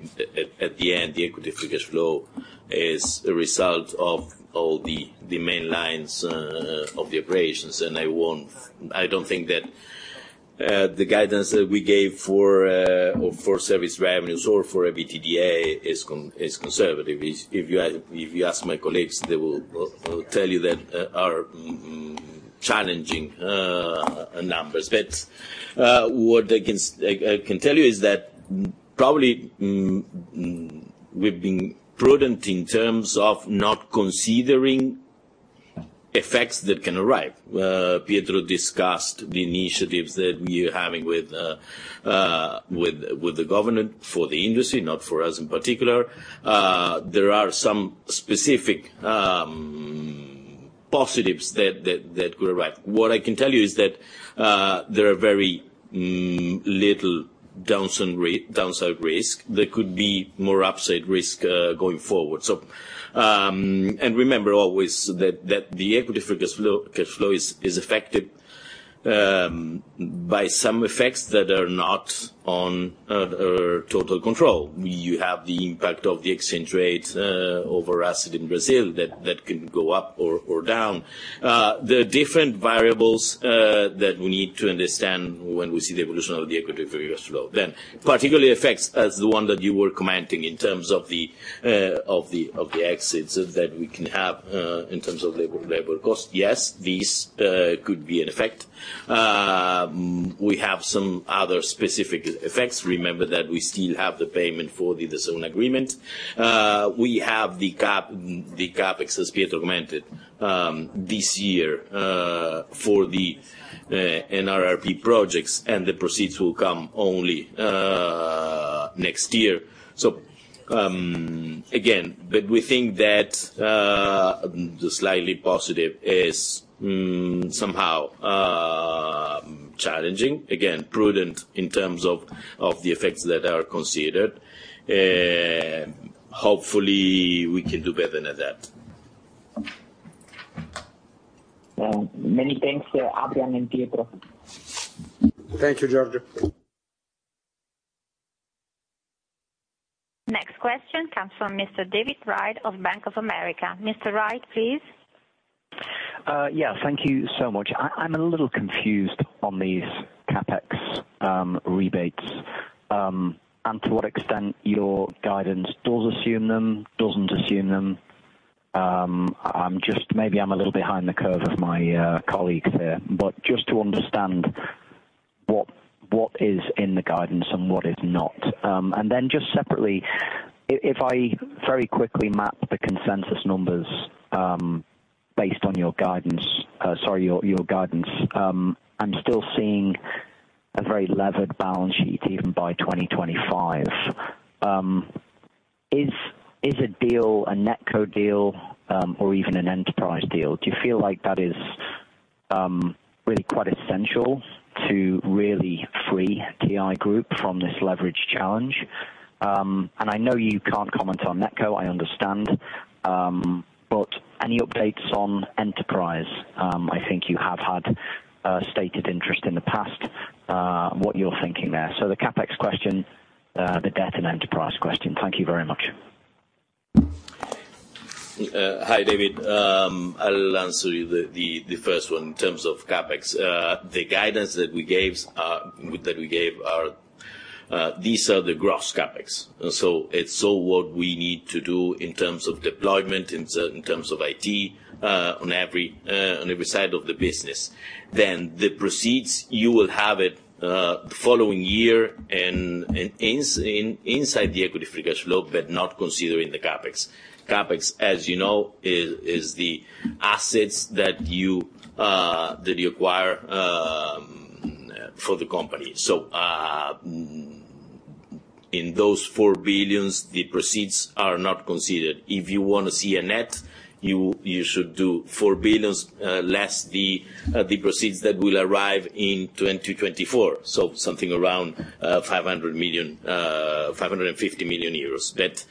at the end, the equity free cash flow is a result of all the main lines of the operations. I don't think that the guidance that we gave for or for service revenues or for EBITDA is conservative. If you ask my colleagues, they will tell you that are challenging numbers. What I can tell you is that probably, we've been prudent in terms of not considering effects that can arrive. Pietro discussed the initiatives that we are having with the government for the industry, not for us in particular. There are some specific positives that could arrive. What I can tell you is that there are very little downside risk. There could be more upside risk going forward. And remember always that the equity free cash flow is affected by some effects that are not on total control. You have the impact of the exchange rate over asset in Brazil that can go up or down. The different variables that we need to understand when we see the evolution of the equity free cash flow. Particularly effects as the one that you were commenting in terms of the of the of the exits that we can have in terms of labor cost. Yes, these could be an effect. We have some other specific effects. Remember that we still have the payment for the DAZN agreement. We have the CapEx, as Pietro commented, this year, for the NRRP projects, and the proceeds will come only next year. Again, we think that the slightly positive is somehow challenging. Again, prudent in terms of the effects that are considered. Hopefully we can do better than that. many thanks, Adrian and Pietro. Thank you, Giorgio. Next question comes from Mr. David Wright of Bank of America. Mr. Wright, please. Yeah, thank you so much. I'm a little confused on these CapEx rebates, and to what extent your guidance does assume them, doesn't assume them. Maybe I'm a little behind the curve of my colleagues here, but just to understand what is in the guidance and what is not. Then just separately, if I very quickly map the consensus numbers based on your guidance, sorry, your guidance, I'm still seeing a very levered balance sheet even by 2025. Is a deal a NetCo deal, or even an Enterprise deal? Do you feel like that is really quite essential to really free TIM Group from this leverage challenge? I know you can't comment on NetCo, I understand. Any updates on Enterprise? I think you have had stated interest in the past, what you're thinking there. The CapEx question, the debt and Enterprise question. Thank you very much. Hi, David. I'll answer you the first one in terms of CapEx. The guidance that we gaves, that we gave are, these are the gross CapEx. it's all what we need to do in terms of deployment, in certain terms of IT, on every side of the business. The proceeds, you will have it, the following year and inside the equity free cash flow, but not considering the CapEx. CapEx, as you know, is the assets that you acquire for the company. in those 4 billion, the proceeds are not considered. If you want to see a net, you should do 4 billion less the proceeds that will arrive in 2024, so something around 500 million, 550 million euros. That,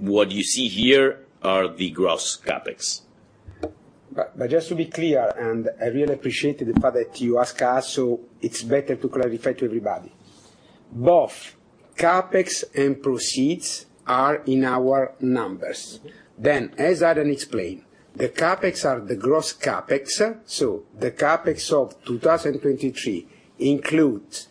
what you see here are the gross CapEx. Just to be clear, and I really appreciate the fact that you ask us, so it's better to clarify to everybody. Both CapEx and proceeds are in our numbers. As Adrian explained, the CapEx are the gross CapEx. The CapEx of 2023 includes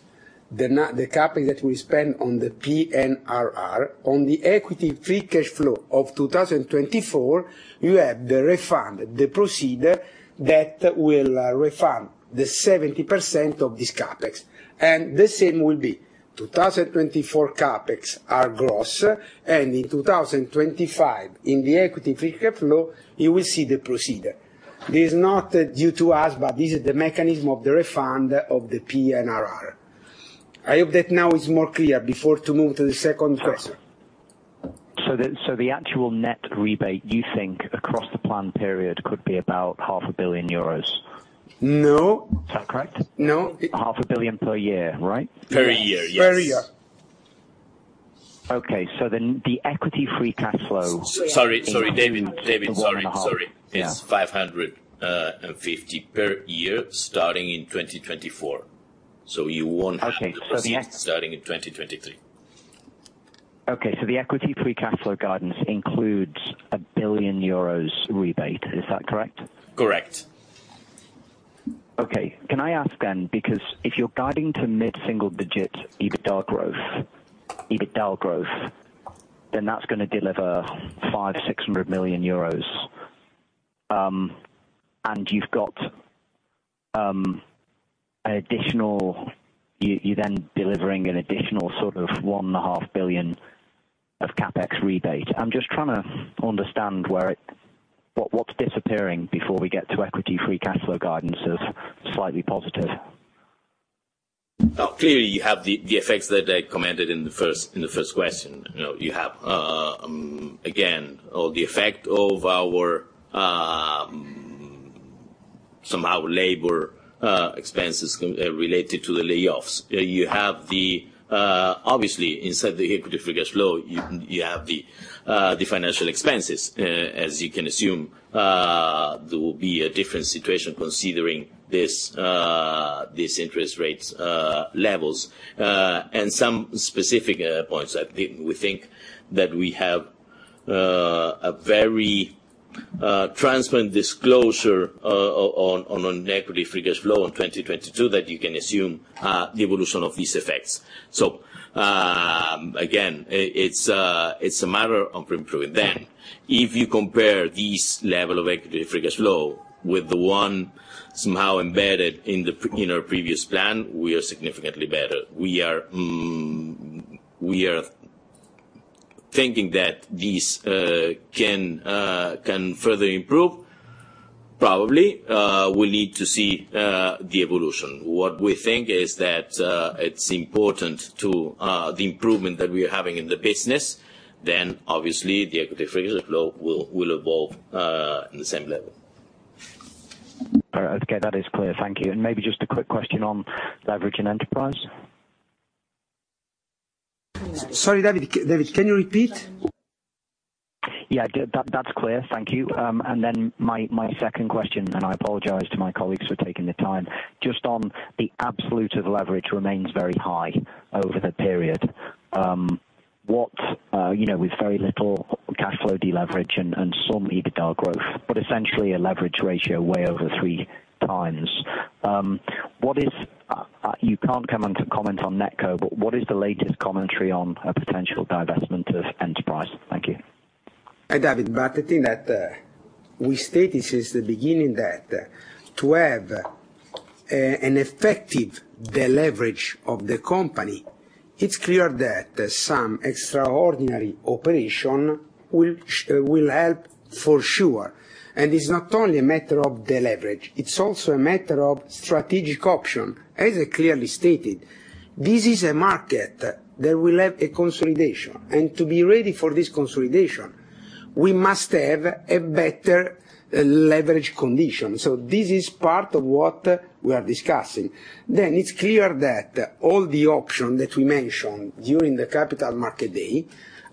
the CapEx that we spend on the PNRR. On the equity free cash flow of 2024, you have the refund, the procedure that will refund the 70% of this CapEx. The same will be 2024 CapEx are gross, and in 2025, in the equity free cash flow, you will see the procedure. This is not due to us, but this is the mechanism of the refund of the PNRR. I hope that now it's more clear before to move to the second question. The actual net rebate, you think across the plan period could be about half a billion euros? No. Is that correct? No. Half a billion EUR per year, right? Per year, yes. Per year. Okay. Sorry, David, sorry. Yeah. It's 550 per year starting in 2024. You won't have. Okay. the proceeds starting in 2023. Okay, the equity free cash flow guidance includes 1 billion rebate. Is that correct? Correct. Okay. Can I ask then, because if you're guiding to mid-single digit EBITDA growth, then that's going to deliver 500 million-600 million euros, and you've got You then delivering an additional sort of 1.5 billion of CapEx rebate. I'm just trying to understand what's disappearing before we get to equity free cash flow guidance of slightly positive? Oh, clearly you have the effects that I commented in the first question. You know, you have again, all the effect of our somehow labor expenses related to the layoffs. You have obviously inside the equity free cash flow, you have the financial expenses. As you can assume, there will be a different situation considering this interest rates levels. Some specific points that we think that we have a very transparent disclosure on equity free cash flow in 2022 that you can assume the evolution of these effects. Again, it's a matter of improving. If you compare this level of equity free cash flow with the one somehow embedded in our previous plan, we are significantly better. We are thinking that this can further improve. Probably, we need to see the evolution. What we think is that it's important to the improvement that we are having in the business, obviously the equity free cash flow will evolve in the same level. All right. Okay. That is clear. Thank you. Maybe just a quick question on leverage and Enterprise. Sorry, David. David, can you repeat? Yeah. That's clear. Thank you. My second question, I apologize to my colleagues for taking the time, just on the absolute of leverage remains very high over the period. What, you know, with very little cash flow deleverage and some EBITDA growth, but essentially a leverage ratio way over three times. What is... you can't comment to comment on NetCo, but what is the latest commentary on a potential divestment of Enterprise? Thank you. Hi, David. The thing that, we stated since the beginning that to have an effective deleverage of the company, it's clear that some extraordinary operation will help for sure. It's not only a matter of deleverage, it's also a matter of strategic option. As I clearly stated, this is a market that will have a consolidation. To be ready for this consolidation, we must have a better leverage condition. This is part of what we are discussing. It's clear that all the option that we mentioned during the Capital Markets Day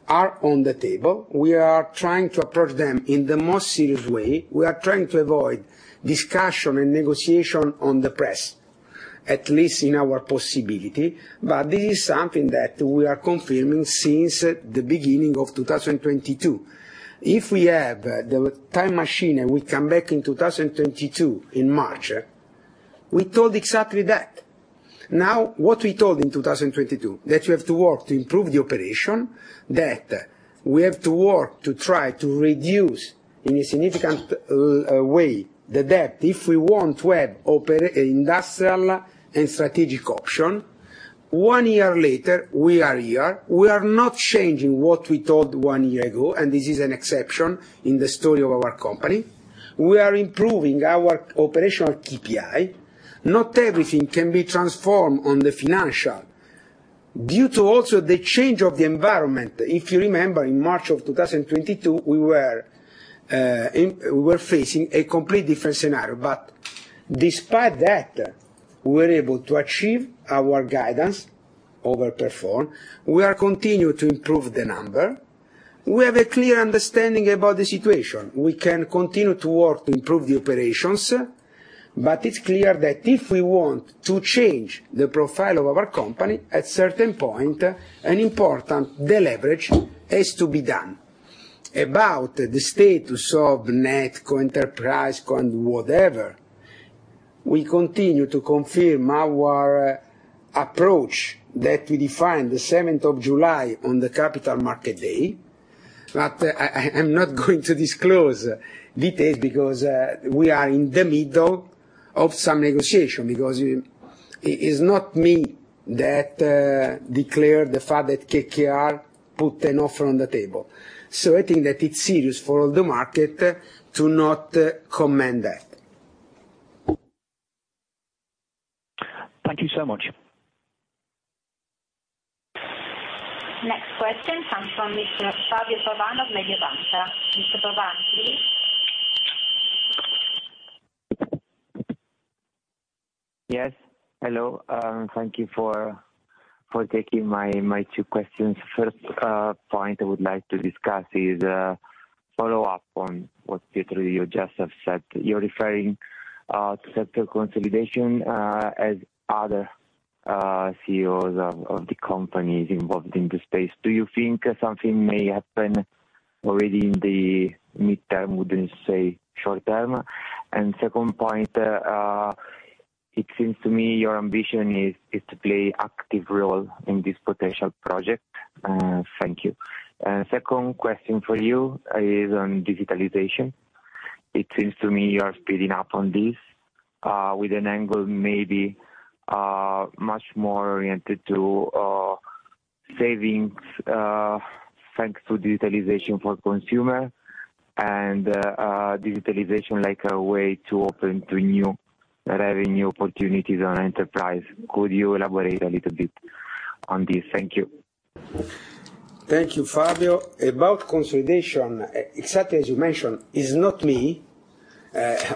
are on the table. We are trying to approach them in the most serious way. We are trying to avoid discussion and negotiation on the press, at least in our possibility. This is something that we are confirming since the beginning of 2022. If we have the time machine and we come back in 2022 in March, we told exactly that. What we told in 2022, that you have to work to improve the operation, that we have to work to try to reduce in a significant way the debt if we want to have industrial and strategic option. One year later, we are here. We are not changing what we told one year ago, and this is an exception in the story of our company. We are improving our operational KPI. Not everything can be transformed on the financial due to also the change of the environment. If you remember, in March of 2022, we were facing a complete different scenario. Despite that, we're able to achieve our guidance, over-perform. We are continue to improve the number. We have a clear understanding about the situation. We can continue to work to improve the operations. It's clear that if we want to change the profile of our company, at certain point, an important deleverage has to be done. About the status of NetCo enterprise con whatever, we continue to confirm our approach that we defined the 7th of July on the Capital Markets Day. I'm not going to disclose details because we are in the middle of some negotiation, because it is not me that declared the fact that KKR put an offer on the table. I think that it's serious for the market to not comment that. Thank you so much. Next question comes from Mr. Fabio Pavan of Mediobanca. Mr. Pavan, please. Yes, hello. Thank you for taking my two questions. First, point I would like to discuss is follow-up on what, Pietro, you just have said. You're referring to sector consolidation as other CEOs of the companies involved in the space. Do you think something may happen already in the midterm, wouldn't say short term? Second point, it seems to me your ambition is to play active role in this potential project. Thank you. Second question for you is on digitalization. It seems to me you are speeding up on this with an angle maybe much more oriented to savings thanks to digitalization for consumer and digitalization like a way to open to new revenue opportunities on enterprise. Could you elaborate a little bit on this? Thank you. Thank you, Fabio. About consolidation, except as you mentioned, it's not me.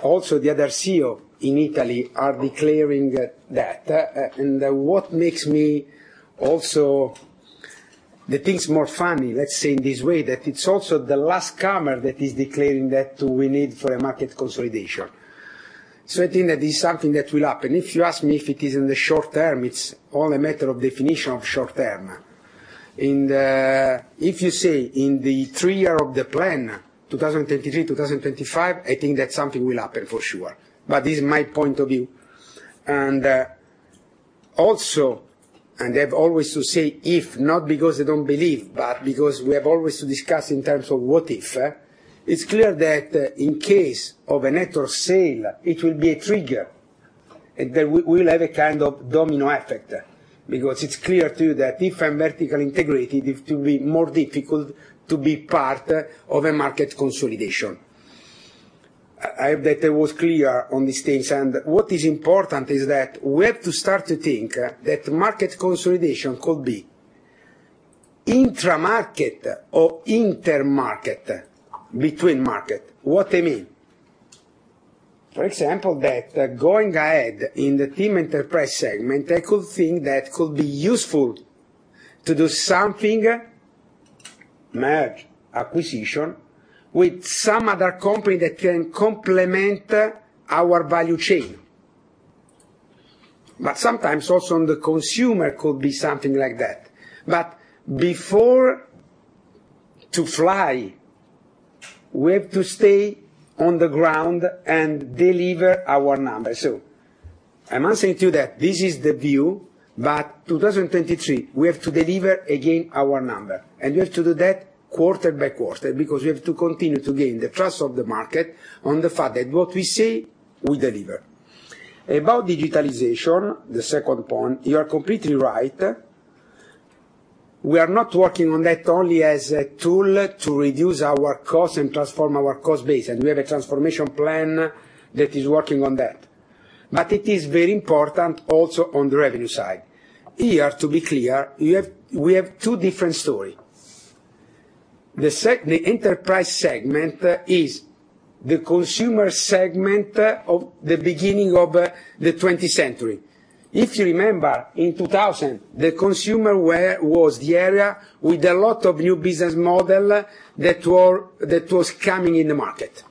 Also the other CEO in Italy are declaring that, and what makes me also, the thing's more funny, let's say in this way, that it's also the last comer that is declaring that we need for a market consolidation. I think that is something that will happen. If you ask me if it is in the short term, it's all a matter of definition of short term. If you say in the 3 year of the plan, 2023, 2025, I think that something will happen for sure. This is my point of view. Also, I've always to say if, not because I don't believe, but because we have always to discuss in terms of what if. It's clear that in case of a NetCo sale, it will be a trigger, that we'll have a kind of domino effect. It's clear too that if I'm vertical integrated, it will be more difficult to be part of a market consolidation. I hope that I was clear on this stage. What is important is that we have to start to think that market consolidation could be intra-market or inter-market, between market. What I mean? For example, that going ahead in the TIM Enterprise segment, I could think that could be useful to do something, merge acquisition, with some other company that can complement our value chain. Sometimes also on the consumer could be something like that. Before to fly, we have to stay on the ground and deliver our numbers. I'm not saying to you that this is the view, but 2023, we have to deliver again our number, and we have to do that quarter by quarter, because we have to continue to gain the trust of the market on the fact that what we say, we deliver. About digitalization, the second point, you are completely right. We are not working on that only as a tool to reduce our cost and transform our cost base, and we have a transformation plan that is working on that. It is very important also on the revenue side. Here, to be clear, we have two different story. The enterprise segment is the consumer segment of the beginning of the 20th century. If you remember, in 2000, the consumer was the area with a lot of new business model that was coming in the market.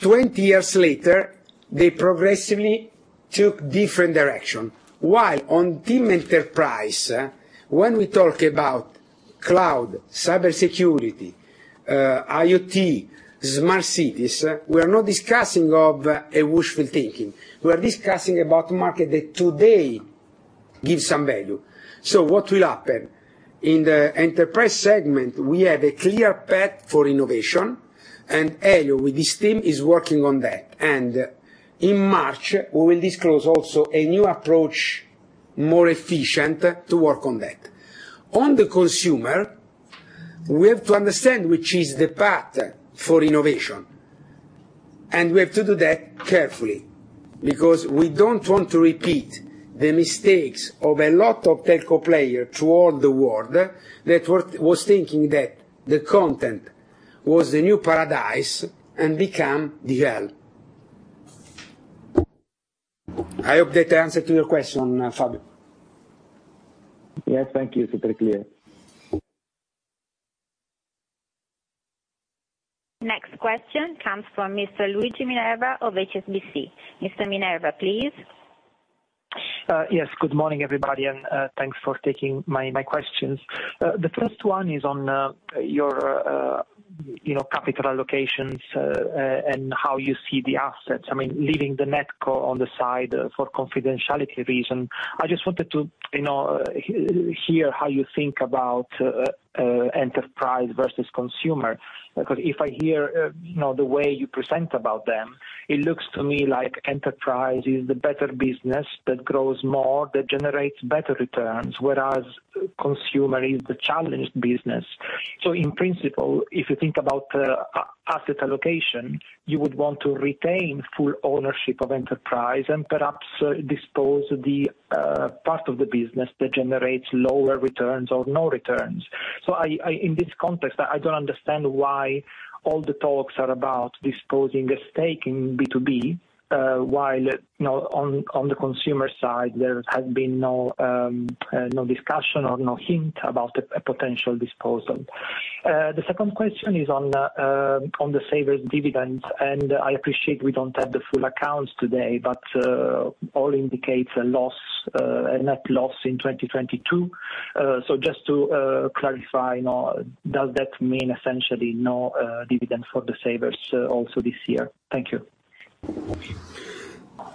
20 years later, they progressively took different direction. While on TIM Enterprise, when we talk about cloud, cybersecurity, IoT, smart cities, we are not discussing of a wishful thinking. We are discussing about market that today gives some value. What will happen? In the enterprise segment, we have a clear path for innovation, Elio with his team is working on that. In March, we will disclose also a new approach, more efficient to work on that. On the consumer, we have to understand which is the path for innovation. We have to do that carefully because we don't want to repeat the mistakes of a lot of telco player toward the world that was thinking that the content was the new paradise and become the hell. I hope that answered to your question, Fabio. Yes, thank you. Super clear. Next question comes from Mr. Luigi Minerva of HSBC. Mr. Minerva, please. Yes. Good morning, everybody, thanks for taking my questions. The first one is on, you know, capital allocations and how you see the assets. I mean, leaving the NetCo on the side for confidentiality reason, I just wanted to, you know, hear how you think about enterprise versus consumer. If I hear, you know, the way you present about them, it looks to me like enterprise is the better business that grows more, that generates better returns, whereas consumer is the challenged business. In principle, if you think about asset allocation, you would want to retain full ownership of enterprise and perhaps dispose the part of the business that generates lower returns or no returns. In this context, I don't understand why all the talks are about disposing a stake in B2B, while, you know, on the consumer side there has been no discussion or no hint about a potential disposal. The second question is on the savers dividends, and I appreciate we don't have the full accounts today, but all indicates a loss, a net loss in 2022. Just to clarify, you know, does that mean essentially no dividend for the savers also this year? Thank you.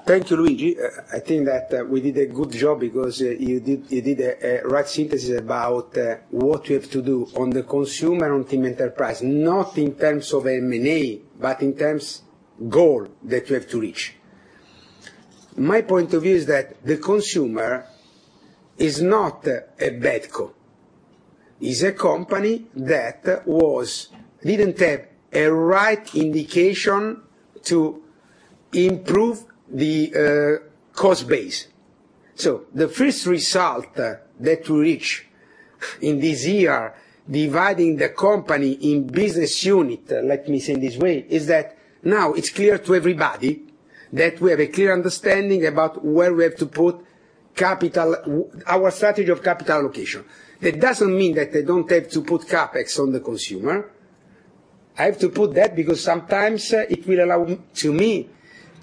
Thank you, Luigi. I think that we did a good job because you did, you did a right synthesis about what we have to do on the consumer, on TIM Enterprise, not in terms of M and A, but in terms goal that we have to reach. My point of view is that the consumer is not a bad co. Is a company that didn't have a right indication to improve the cost base. The first result that we reach in this year, dividing the company in business unit, let me say this way, is that now it's clear to everybody that we have a clear understanding about where we have to put capital, our strategy of capital allocation. That doesn't mean that I don't have to put CapEx on the consumer. I have to put that because sometimes it will allow to me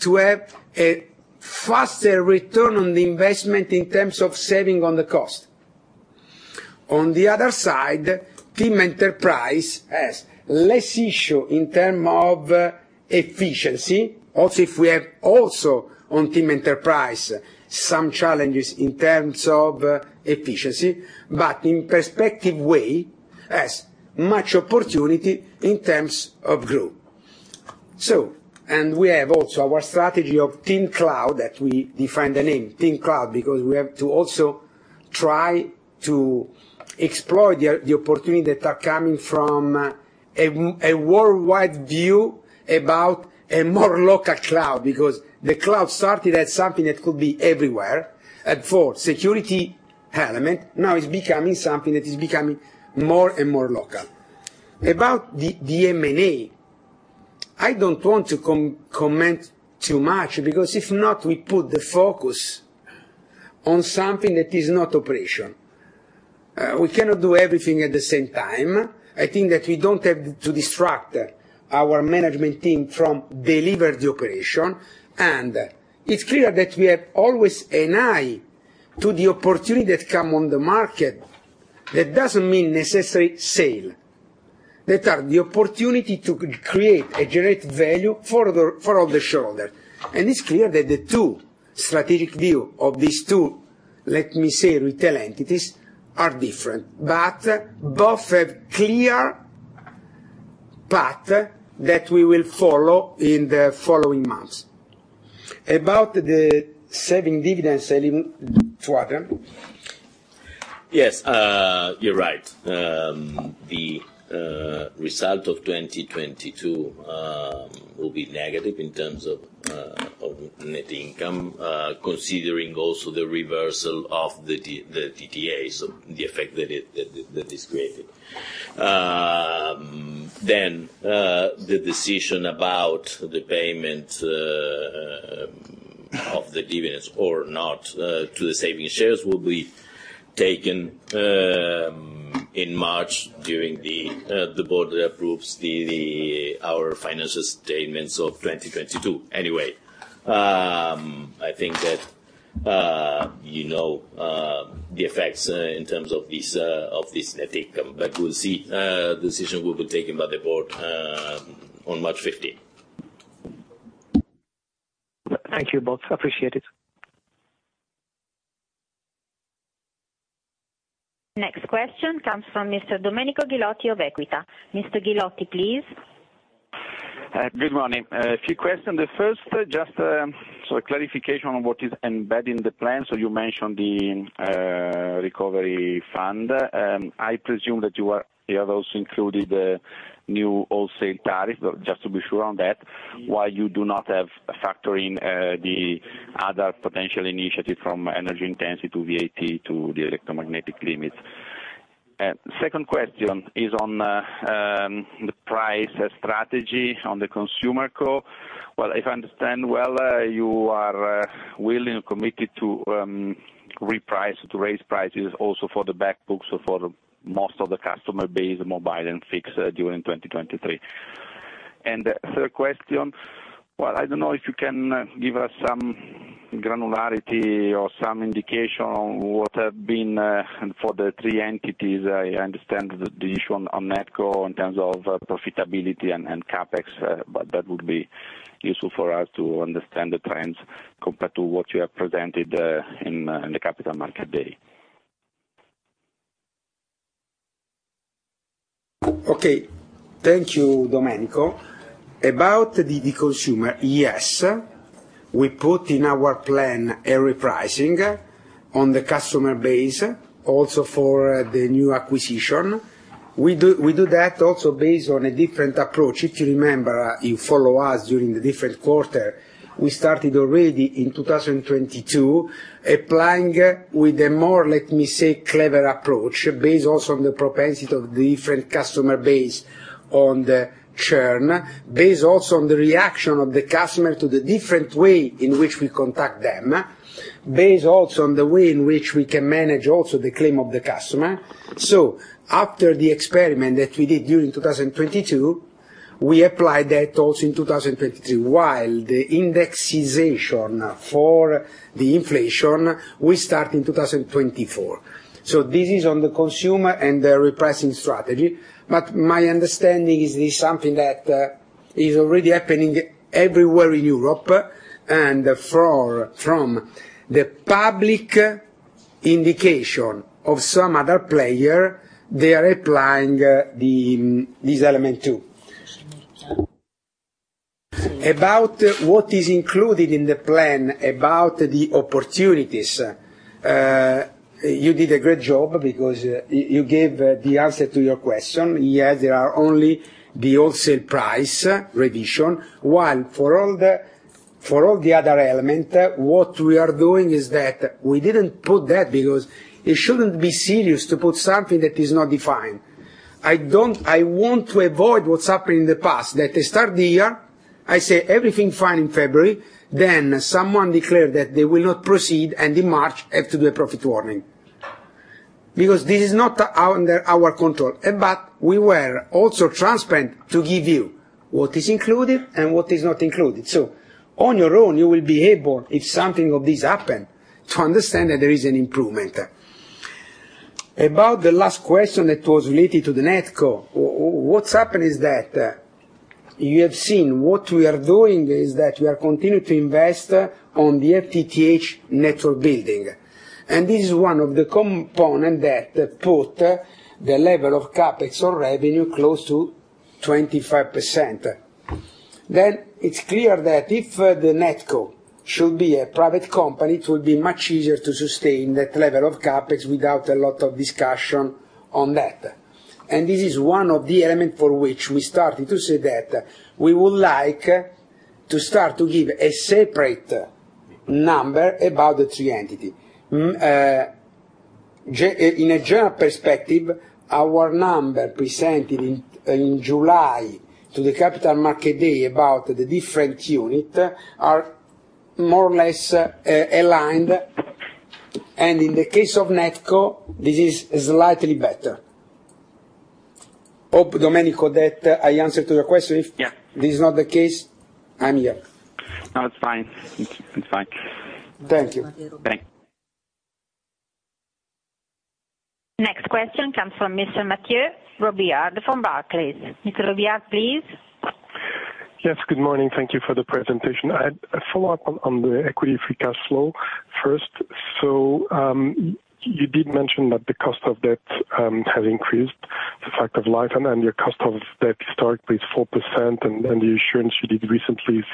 to have a faster return on the investment in terms of saving on the cost. The other side, TIM Enterprise has less issue in terms of efficiency. If we have also on TIM Enterprise some challenges in terms of efficiency, but in perspective way, has much opportunity in terms of growth. We have also our strategy of TIM Cloud that we define the name TIM Cloud, because we have to also try to explore the opportunity that are coming from a worldwide view about a more local cloud. The cloud started as something that could be everywhere. At for security element, now it's becoming something that is becoming more and more local. About the M and A, I don't want to comment too much because if not, we put the focus on something that is not operation. We cannot do everything at the same time. I think that we don't have to distract our management team from deliver the operation. It's clear that we have always an eye to the opportunity that come on the market. That doesn't mean necessary sale. That are the opportunity to create a great value for all the shareholder. It's clear that the two strategic view of these two, let me say, retail entities are different. Both have clear path that we will follow in the following months. About the saving dividend selling to other. Yes, you're right. The result of 2022 will be negative in terms of net income, considering also the reversal of the DTA, so the effect that is created. The decision about the payment of the dividends or not to the saving shares will be taken in March during the board approves our financial statements of 2022. Anyway, I think that, you know, the effects in terms of this of this net income, we'll see. Decision will be taken by the board on March 15th. Thank you both. Appreciate it. Next question comes from Mr. Domenico Ghilotti of Equita. Mr. Ghilotti, please. Good morning. A few questions. The first, just a clarification on what is embedded in the plan. You mentioned the recovery fund. I presume that you have also included the new wholesale tariff, just to be sure on that. Why you do not have factor in the other potential initiative from energy intensity to VAT to the electromagnetic limit? Second question is on the price strategy on the consumer core. If I understand well, you are willing and committed to reprice, to raise prices also for the back books for most of the customer base mobile and fixed during 2023. Third question, I don't know if you can give us some granularity or some indication on what have been for the three entities. I understand the issue on NetCo in terms of profitability and CapEx, but that would be useful for us to understand the trends compared to what you have presented in the Capital Markets Day. Okay. Thank you, Domenico. About the consumer, yes, we put in our plan a repricing on the customer base also for the new acquisition. We do that also based on a different approach. If you remember, you follow us during the different quarter, we started already in 2022, applying with a more, let me say, clever approach, based also on the propensity of the different customer base on the churn. Based also on the reaction of the customer to the different way in which we contact them. Based also on the way in which we can manage also the claim of the customer. After the experiment that we did during 2022, we applied that also in 2022, while the indexation for the inflation will start in 2024. This is on the consumer and the repricing strategy. My understanding is it's something that is already happening everywhere in Europe. From the public indication of some other player, they are applying this element too. About what is included in the plan, about the opportunities, you did a great job because you gave the answer to your question. Yes, there are only the wholesale price revision. For all the other element, what we are doing is that we didn't put that because it shouldn't be serious to put something that is not defined. I want to avoid what's happened in the past, that I start the year, I say everything fine in February, then someone declare that they will not proceed and in March have to do a profit warning. This is not under our control. We were also transparent to give you what is included and what is not included. On your own, you will be able, if something of this happen, to understand that there is an improvement. About the last question that was related to the NetCo, what's happened is that you have seen what we are doing is that we are continuing to invest on the FTTH network building. This is one of the component that put the level of CapEx on revenue close to 25%. It's clear that if the NetCo should be a private company, it will be much easier to sustain that level of CapEx without a lot of discussion on that. This is one of the element for which we started to say that we would like to start to give a separate number about the three entity. In a general perspective, our number presented in July to the Capital Markets Day about the different unit are more or less aligned. In the case of NetCo, this is slightly better. Hope, Domenico, that I answered your question. Yeah. If this is not the case, I'm here. No, it's fine. It's fine. Thank you. Thanks. Next question comes from Mr. Mathieu Robilliard from Barclays. Mr. Robilliard, please. Yes. Good morning. Thank you for the presentation. I had a follow-up on the equity free cash flow first. You did mention that the cost of debt has increased the fact of life and your cost of debt historically is 4% and the assurance you did recently is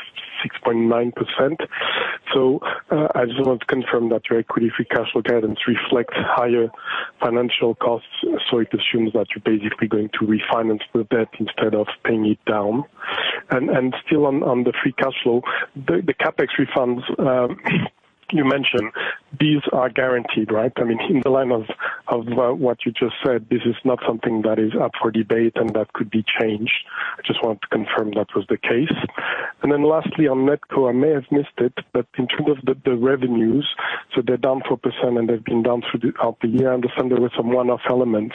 6.9%. I just want to confirm that your equity free cash flow guidance reflects higher financial costs, so it assumes that you're basically going to refinance the debt instead of paying it down. Still on the free cash flow, the CapEx refunds, you mentioned these are guaranteed, right? I mean, in the line of what you just said, this is not something that is up for debate and that could be changed. I just wanted to confirm that was the case. Lastly, on NetCo, I may have missed it, but in terms of the revenues, they're down 4% and they've been down out the year. I understand there were some one-off elements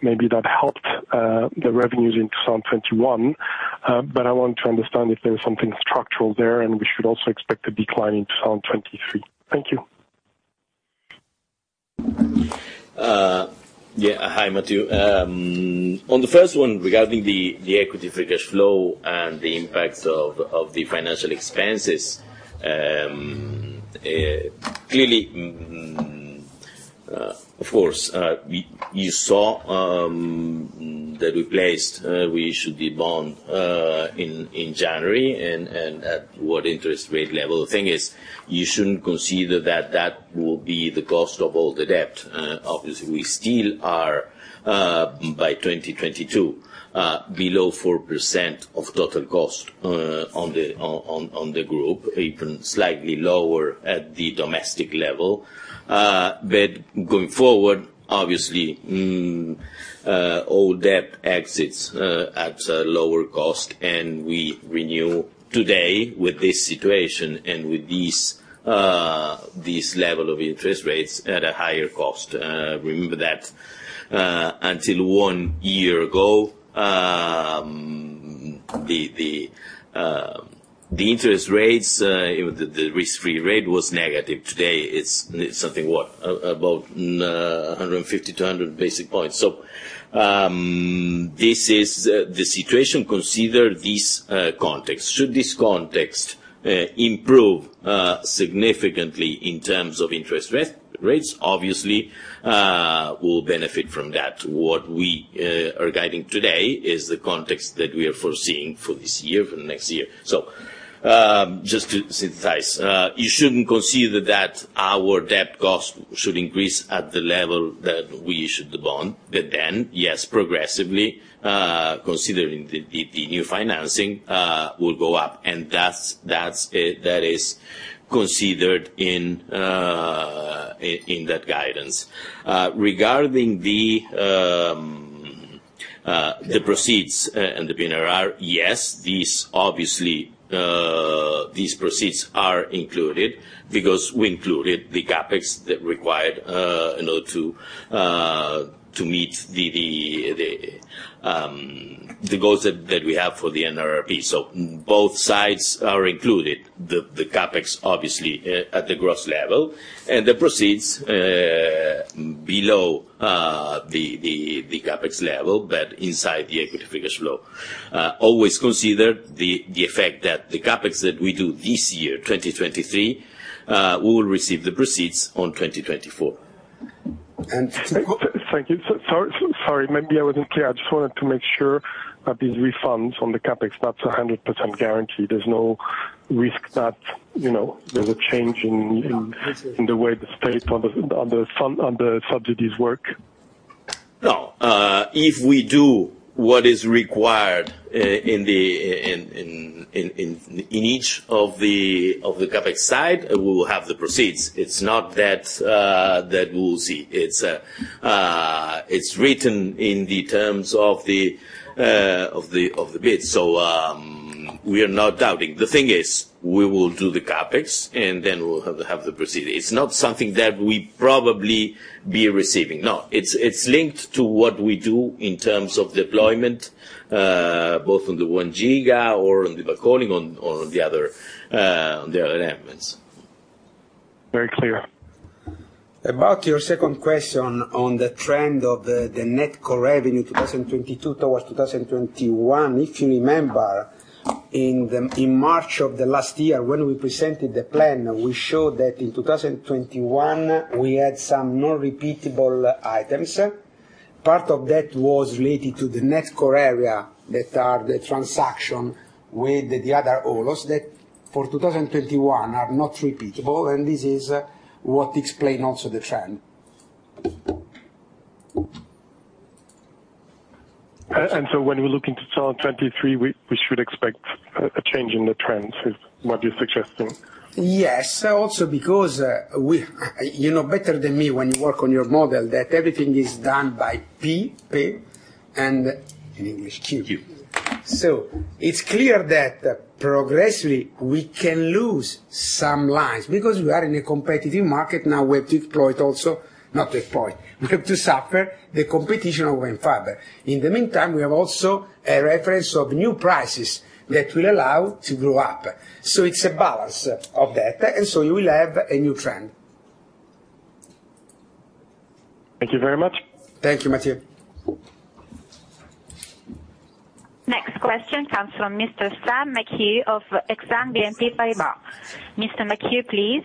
maybe that helped the revenues in 2021. I want to understand if there's something structural there, and we should also expect a decline in 2023. Thank you. Yeah. Hi, Mathieu. On the first one, regarding the equity free cash flow and the impacts of the financial expenses, clearly, of course, you saw that we placed, we issued the bond in January and at what interest rate level. The thing is, you shouldn't consider that that will be the cost of all the debt. Obviously we still are by 2022 below 4% of total cost on the group, even slightly lower at the domestic level. Going forward, obviously, all debt exits at a lower cost, and we renew today with this situation and with these level of interest rates at a higher cost. Remember that, until one year ago, the interest rates, the risk-free rate was negative. Today, it's something, what, above, 150 to 100 basic points. This is the situation. Consider this context. Should this context improve significantly in terms of interest rates, obviously, we'll benefit from that. What we are guiding today is the context that we are foreseeing for this year, for the next year. Just to synthesize, you shouldn't consider that our debt cost should increase at the level that we issued the bond, yes, progressively, considering the new financing, will go up. That's, that is considered in that guidance. Regarding the proceeds and the PNRR, yes, these obviously these proceeds are included because we included the CapEx that required to meet the goals that we have for the NRRP. Both sides are included. The CapEx obviously at the gross level and the proceeds below the CapEx level but inside the equity free cash flow. Always consider the effect that the CapEx that we do this year, 2023, we will receive the proceeds on 2024. And- Well- Thank you. Sorry, maybe I wasn't clear. I just wanted to make sure that these refunds on the CapEx, that's 100% guaranteed. There's no risk that, you know, there's a change in the way the state on the fund, on the subsidies work. No. If we do what is required in each of the CapEx side, we will have the proceeds. It's not that we'll see. It's written in the terms of the bid. We are not doubting. The thing is, we will do the CapEx, and then we'll have the proceeds. It's not something that we probably be receiving. No. It's linked to what we do in terms of deployment, both on the one Giga or on the FWA, on the other elements. Very clear. About your second question on the trend of the NetCo revenue 2022 towards 2021, if you remember in March of the last year when we presented the plan, we showed that in 2021 we had some non-repeatable items. Part of that was related to the NetCo area that are the transaction with the other owners that for 2021 are not repeatable, this is what explain also the trend. When we look into 2023, we should expect a change in the trends, is what you're suggesting? Yes. Also because, you know better than me when you work on your model that everything is done by P and in English, Q. Q. It's clear that progressively we can lose some lines because we are in a competitive market now. We have to deploy it also, not deploy. We have to suffer the competition of Wind Tre. In the meantime, we have also a reference of new prices that will allow to grow up. It's a balance of that, you will have a new trend. Thank you very much. Thank you, Matthew. Next question comes from Mr. Sam McHugh of BNP Paribas Exane. Mr. McHugh, please.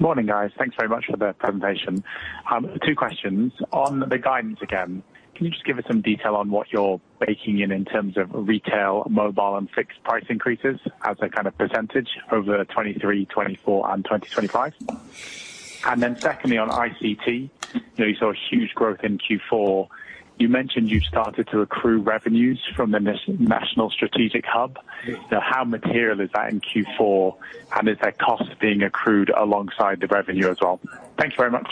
Morning, guys. Thanks very much for the presentation. two questions. On the guidance again, can you just give us some detail on what you're baking in terms of retail, mobile, and fixed price increases as a kind of % over 2023, 2024, and 2025? Secondly, on ICT, you know, you saw a huge growth in Q4. You mentioned you started to accrue revenues from the National Strategic Hub. How material is that in Q4, and is there cost being accrued alongside the revenue as well? Thank you very much.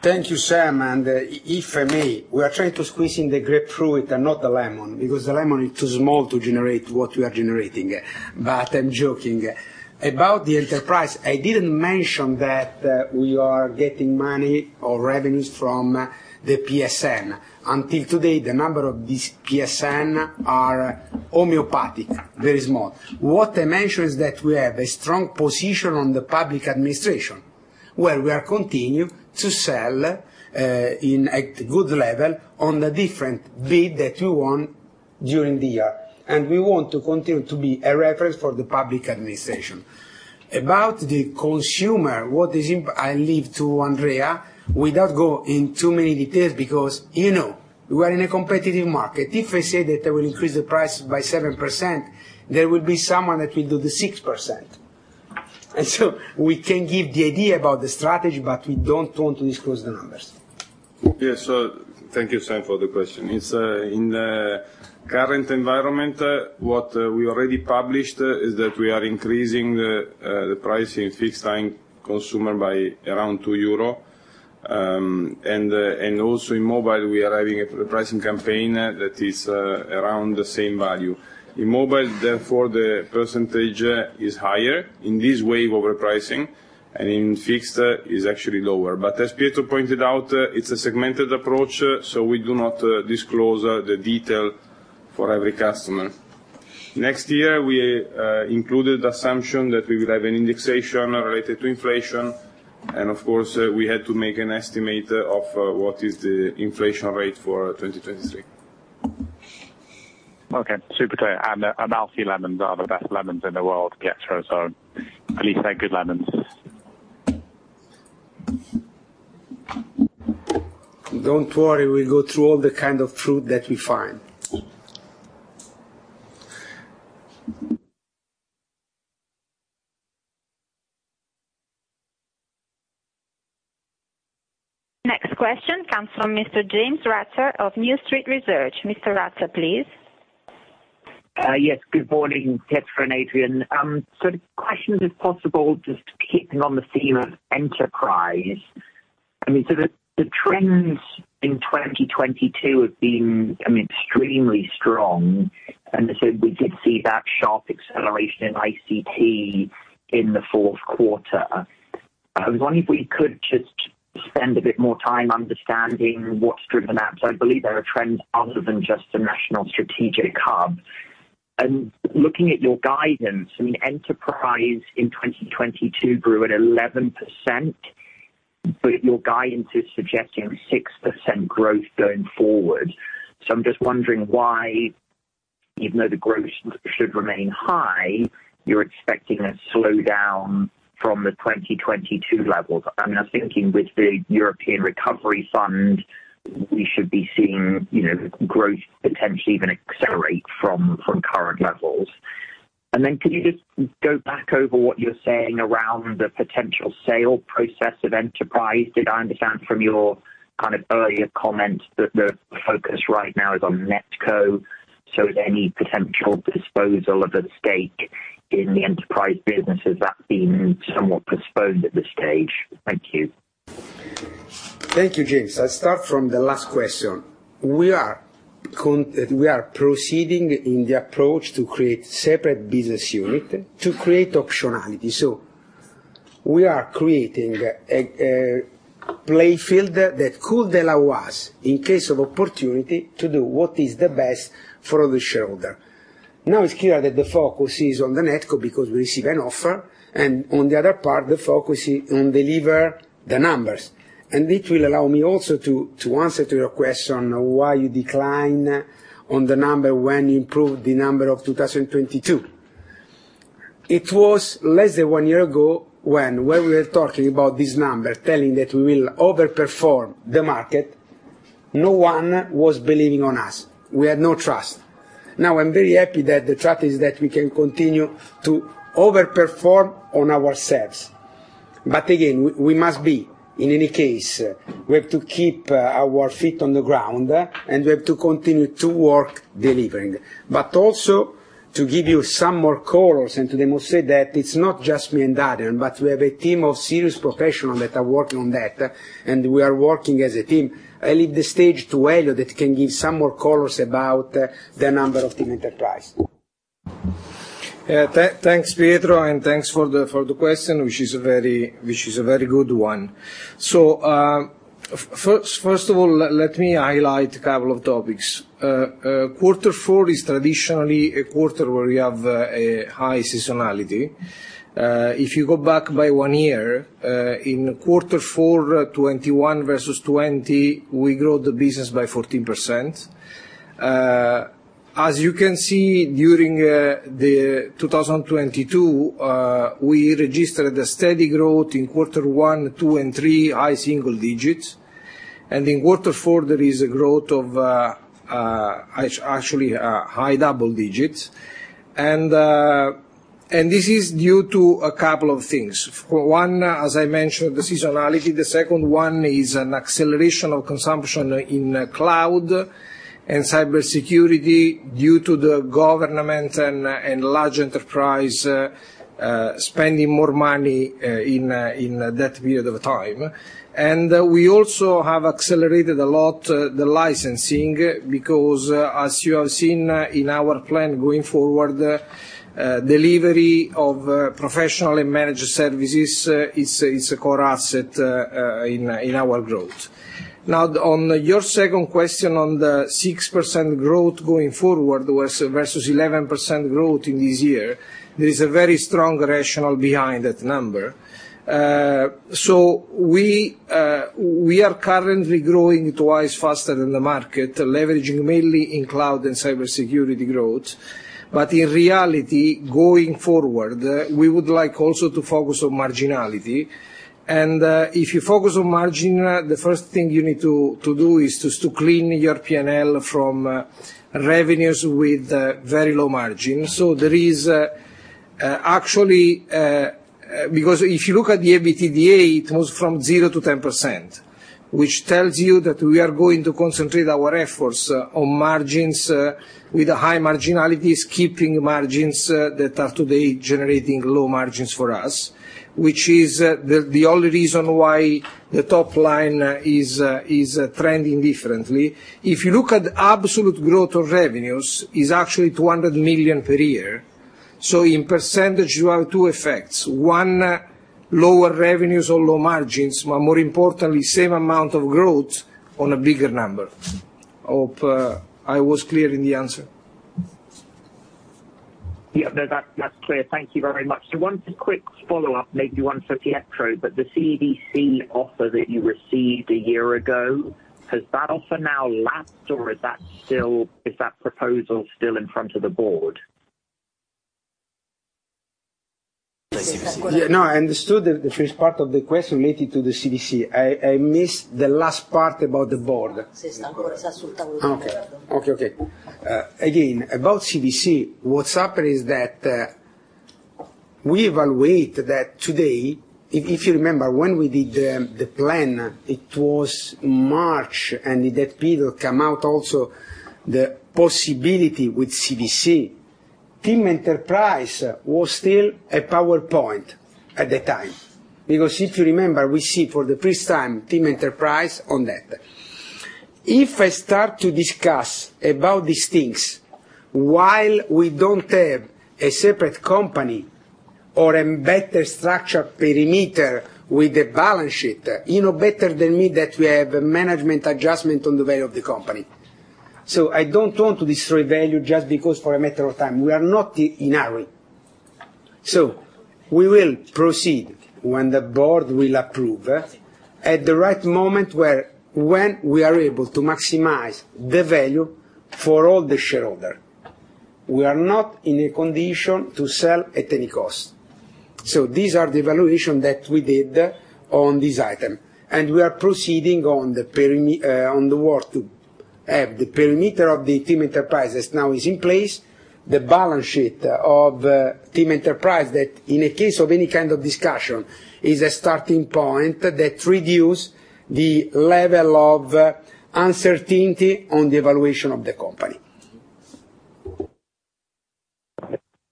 Thank you, Sam. If for me, we are trying to squeeze in the grapefruit and not the lemon, because the lemon is too small to generate what we are generating. I'm joking. About the enterprise, I didn't mention that we are getting money or revenues from the PSN. Until today, the number of these PSN are homeopathic, very small. What I mentioned is that we have a strong position on the public administration, where we continue to sell at good level on the different bid that we won during the year. We want to continue to be a reference for the public administration. About the consumer, what is I leave to Andrea without go in too many details because, you know, we are in a competitive market. If I say that I will increase the price by 7%, there will be someone that will do the 6%. We can give the idea about the strategy, but we don't want to disclose the numbers. Yes. Thank you, Sam, for the question. It's in the current environment, what we already published is that we are increasing the price in fixed-line consumer by around 2 euro. Also in mobile, we are having a pricing campaign that is around the same value. In mobile, therefore, the percentage is higher in this wave over pricing, and in fixed it is actually lower. As Pietro pointed out, it's a segmented approach, so we do not disclose the detail for every customer. Next year we included assumption that we will have an indexation related to inflation, and of course, we had to make an estimate of what is the inflation rate for 2023. Okay. Super clear. Amalfi lemons are the best lemons in the world, Pietro. At least they're good lemons. Don't worry, we go through all the kind of fruit that we find. Next question comes from Mr. James Ratzer of New Street Research. Mr. Ratzer, please. Yes. Good morning, Pietro and Adrian. The question, if possible, just keeping on the theme of enterprise. I mean, the trends in 2022 have been, I mean, extremely strong, and so we did see that sharp acceleration in ICT in the fourth quarter. I was wondering if we could just spend a bit more time understanding what's driven that. I believe there are trends other than just the National Strategic Hub. Looking at your guidance, I mean, enterprise in 2022 grew at 11%, but your guidance is suggesting 6% growth going forward. I'm just wondering why, even though the growth should remain high, you're expecting a slowdown from the 2022 levels. I mean, I was thinking with the European recovery fund, we should be seeing, you know, growth potentially even accelerate from current levels. Could you just go back over what you're saying around the potential sale process of Enterprise? Did I understand from your kind of earlier comments that the focus right now is on NetCo? Any potential disposal of a stake in the Enterprise business, has that been somewhat postponed at this stage? Thank you. Thank you, James. I start from the last question. We are proceeding in the approach to create separate business unit to create optionality. We are creating a play field that could allow us, in case of opportunity, to do what is the best for the shareholder. It's clear that the focus is on the NetCo because we receive an offer, and on the other part, the focus is on deliver the numbers. It will allow me also to answer to your question on why you decline on the number when you improve the number of 2022. It was less than one year ago when we were talking about this number, telling that we will over-perform the market, no one was believing on us. We had no trust. I'm very happy that the trust is that we can continue to over-perform on ourselves. Again, we must be, in any case, we have to keep our feet on the ground, and we have to continue to work delivering. Also, to give you some more colors, and to them who say that it's not just me and Adrian, but we have a team of serious professionals that are working on that, and we are working as a team. I leave the stage to Elio that can give some more colors about the number of TIM Enterprise. Yeah. Thanks, Pietro, and thanks for the question, which is a very good one. First, first of all, let me highlight a couple of topics. Quarter four is traditionally a quarter where we have a high seasonality. If you go back by one year, in quarter four, 2021 versus 2020, we grow the business by 14%. As you can see, during 2022, we registered a steady growth in quarter one, two, and three, high single digits. In quarter four, there is a growth of actually high double digits. This is due to a couple of things. For one, as I mentioned, the seasonality. The second one is an acceleration of consumption in cloud and cybersecurity due to the government and large enterprise spending more money in that period of time. We also have accelerated a lot, the licensing because, as you have seen, in our plan going forward, delivery of professional and managed services is a core asset in our growth. Now on your second question on the 6% growth going forward was versus 11% growth in this year, there is a very strong rationale behind that number. We are currently growing twice faster than the market, leveraging mainly in cloud and cybersecurity growth. In reality, going forward, we would like also to focus on marginality. If you focus on margin, the first thing you need to do is to clean your PNL from revenues with very low margin. There is, actually... If you look at the EBITDA, it goes from 0 to 10%, which tells you that we are going to concentrate our efforts on margins with high marginalities, keeping margins that are today generating low margins for us, which is the only reason why the top line is trending differently. If you look at absolute growth of revenues, is actually 200 million per year. In percentage, you have two effects. One, lower revenues or low margins, but more importantly, same amount of growth on a bigger number. Hope I was clear in the answer. Yeah, that's clear. Thank you very much. One quick follow-up, maybe one for Pietro, but the CVC offer that you received a year ago, has that offer now lapsed, or is that proposal still in front of the board? Yeah. No, I understood the first part of the question related to the CVC. I missed the last part about the board. Okay. Okay, okay. Again, about CVC, what's happened is that we evaluate that today. If you remember, when we did the plan, it was March, and in that period come out also the possibility with CVC. TIM Enterprise was still a PowerPoint at the time, because if you remember, we see for the first time TIM Enterprise on that. If I start to discuss about these things while we don't have a separate company or a better structured perimeter with the balance sheet, you know better than me that we have a management adjustment on the value of the company. I don't want to destroy value just because for a matter of time. We are not in a hurry. We will proceed when the board will approve at the right moment where when we are able to maximize the value for all the shareholder. We are not in a condition to sell at any cost. These are the evaluation that we did on this item, and we are proceeding on the work to have the perimeter of the TIM Enterprise now is in place. The balance sheet of TIM Enterprise that in a case of any kind of discussion, is a starting point that reduce the level of uncertainty on the evaluation of the company.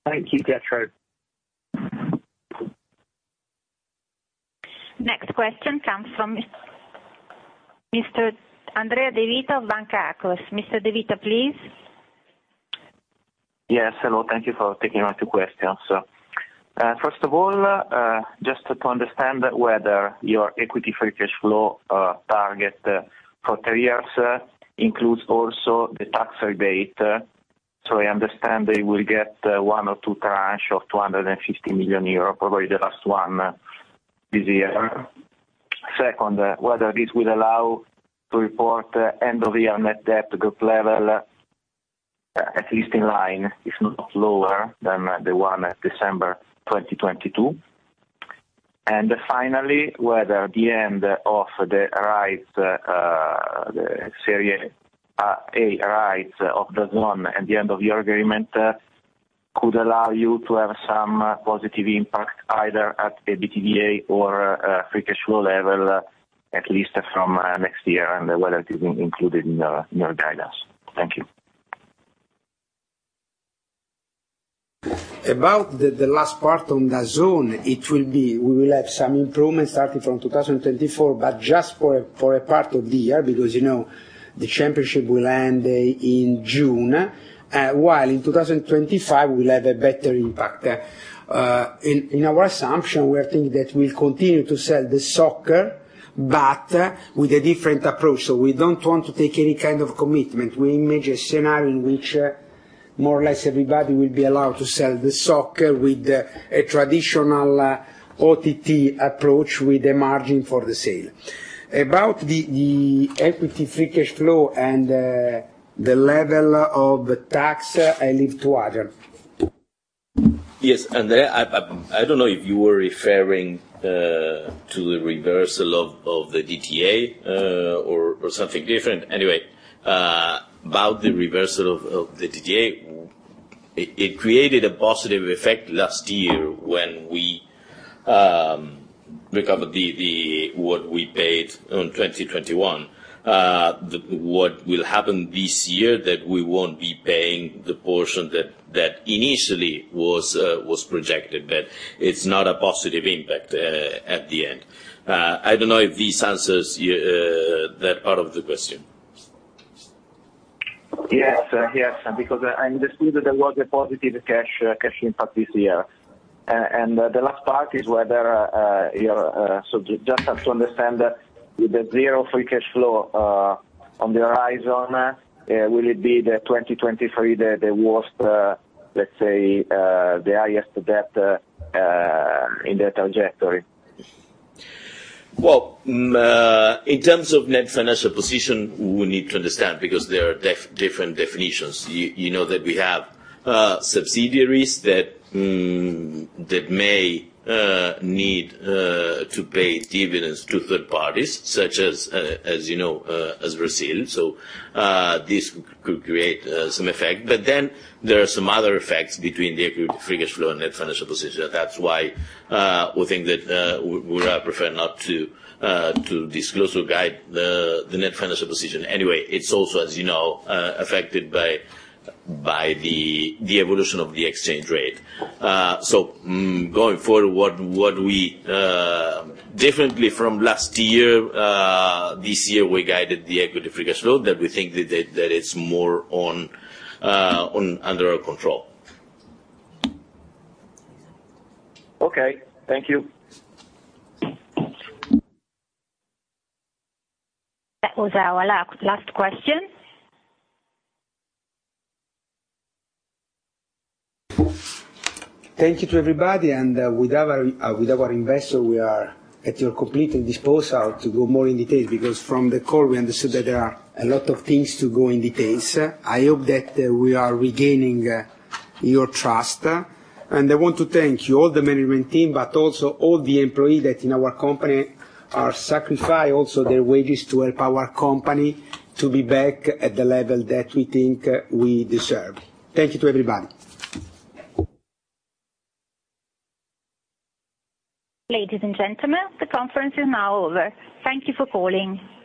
Thank you, Pietro. Next question comes from Mr. Andrea De Vita of Banca Akros. Mr. De Vita, please. Yes, hello. Thank you for taking my two questions. First of all, just to understand whether your equity free cash flow target for three years includes also the tax rebate. I understand that you will get one or two tranche of 250 million euro, probably the last one this year. Second, whether this will allow to report end of year net debt group level, at least in line, if not lower than, the one at December 2022. Finally, whether the end of the rights, the Serie A rights of DAZN at the end of the agreement, could allow you to have some positive impact either at EBITDA or free cash flow level, at least from next year, and whether it is included in your guidance? Thank you. The last part on DAZN, we will have some improvements starting from 2024, but just for a part of the year, because, you know, the championship will end in June. While in 2025, we'll have a better impact. In our assumption, we are thinking that we'll continue to sell the soccer, but with a different approach. We don't want to take any kind of commitment. We image a scenario in which more or less everybody will be allowed to sell the soccer with a traditional OTT approach, with a margin for the sale. The equity free cash flow and the level of tax, I leave to other. I don't know if you were referring to the reversal of the DTA or something different. Anyway, about the reversal of the DTA, it created a positive effect last year when we recovered what we paid on 2021. What will happen this year that we won't be paying the portion that initially was projected, but it's not a positive impact at the end. I don't know if this answers your that part of the question. Yes. Yes, because I understood that there was a positive cash cash impact this year. The last part is whether your... Just to understand, with the zero free cash flow on the horizon, will it be the 2023 the worst, let's say, the highest debt in the trajectory? Well, in terms of net financial position, we need to understand because there are different definitions. You know that we have subsidiaries that may need to pay dividends to third parties such as you know, as Brazil. This could create some effect. There are some other effects between the equity free cash flow and net financial position. That's why, we think that we prefer not to disclose or guide the net financial position. Anyway, it's also, as you know, affected by the evolution of the exchange rate. Going forward, what we, differently from last year, this year we guided the equity free cash flow that we think that it's more under our control. Okay. Thank you. That was our last question. Thank you to everybody, with our investor, we are at your complete disposal to go more in detail, because from the call, we understood that there are a lot of things to go in details. I hope that we are regaining your trust. I want to thank you, all the management team, but also all the employee that in our company are sacrifice also their wages to help our company to be back at the level that we think we deserve. Thank you to everybody. Ladies and gentlemen, the conference is now over. Tha nk you for calling.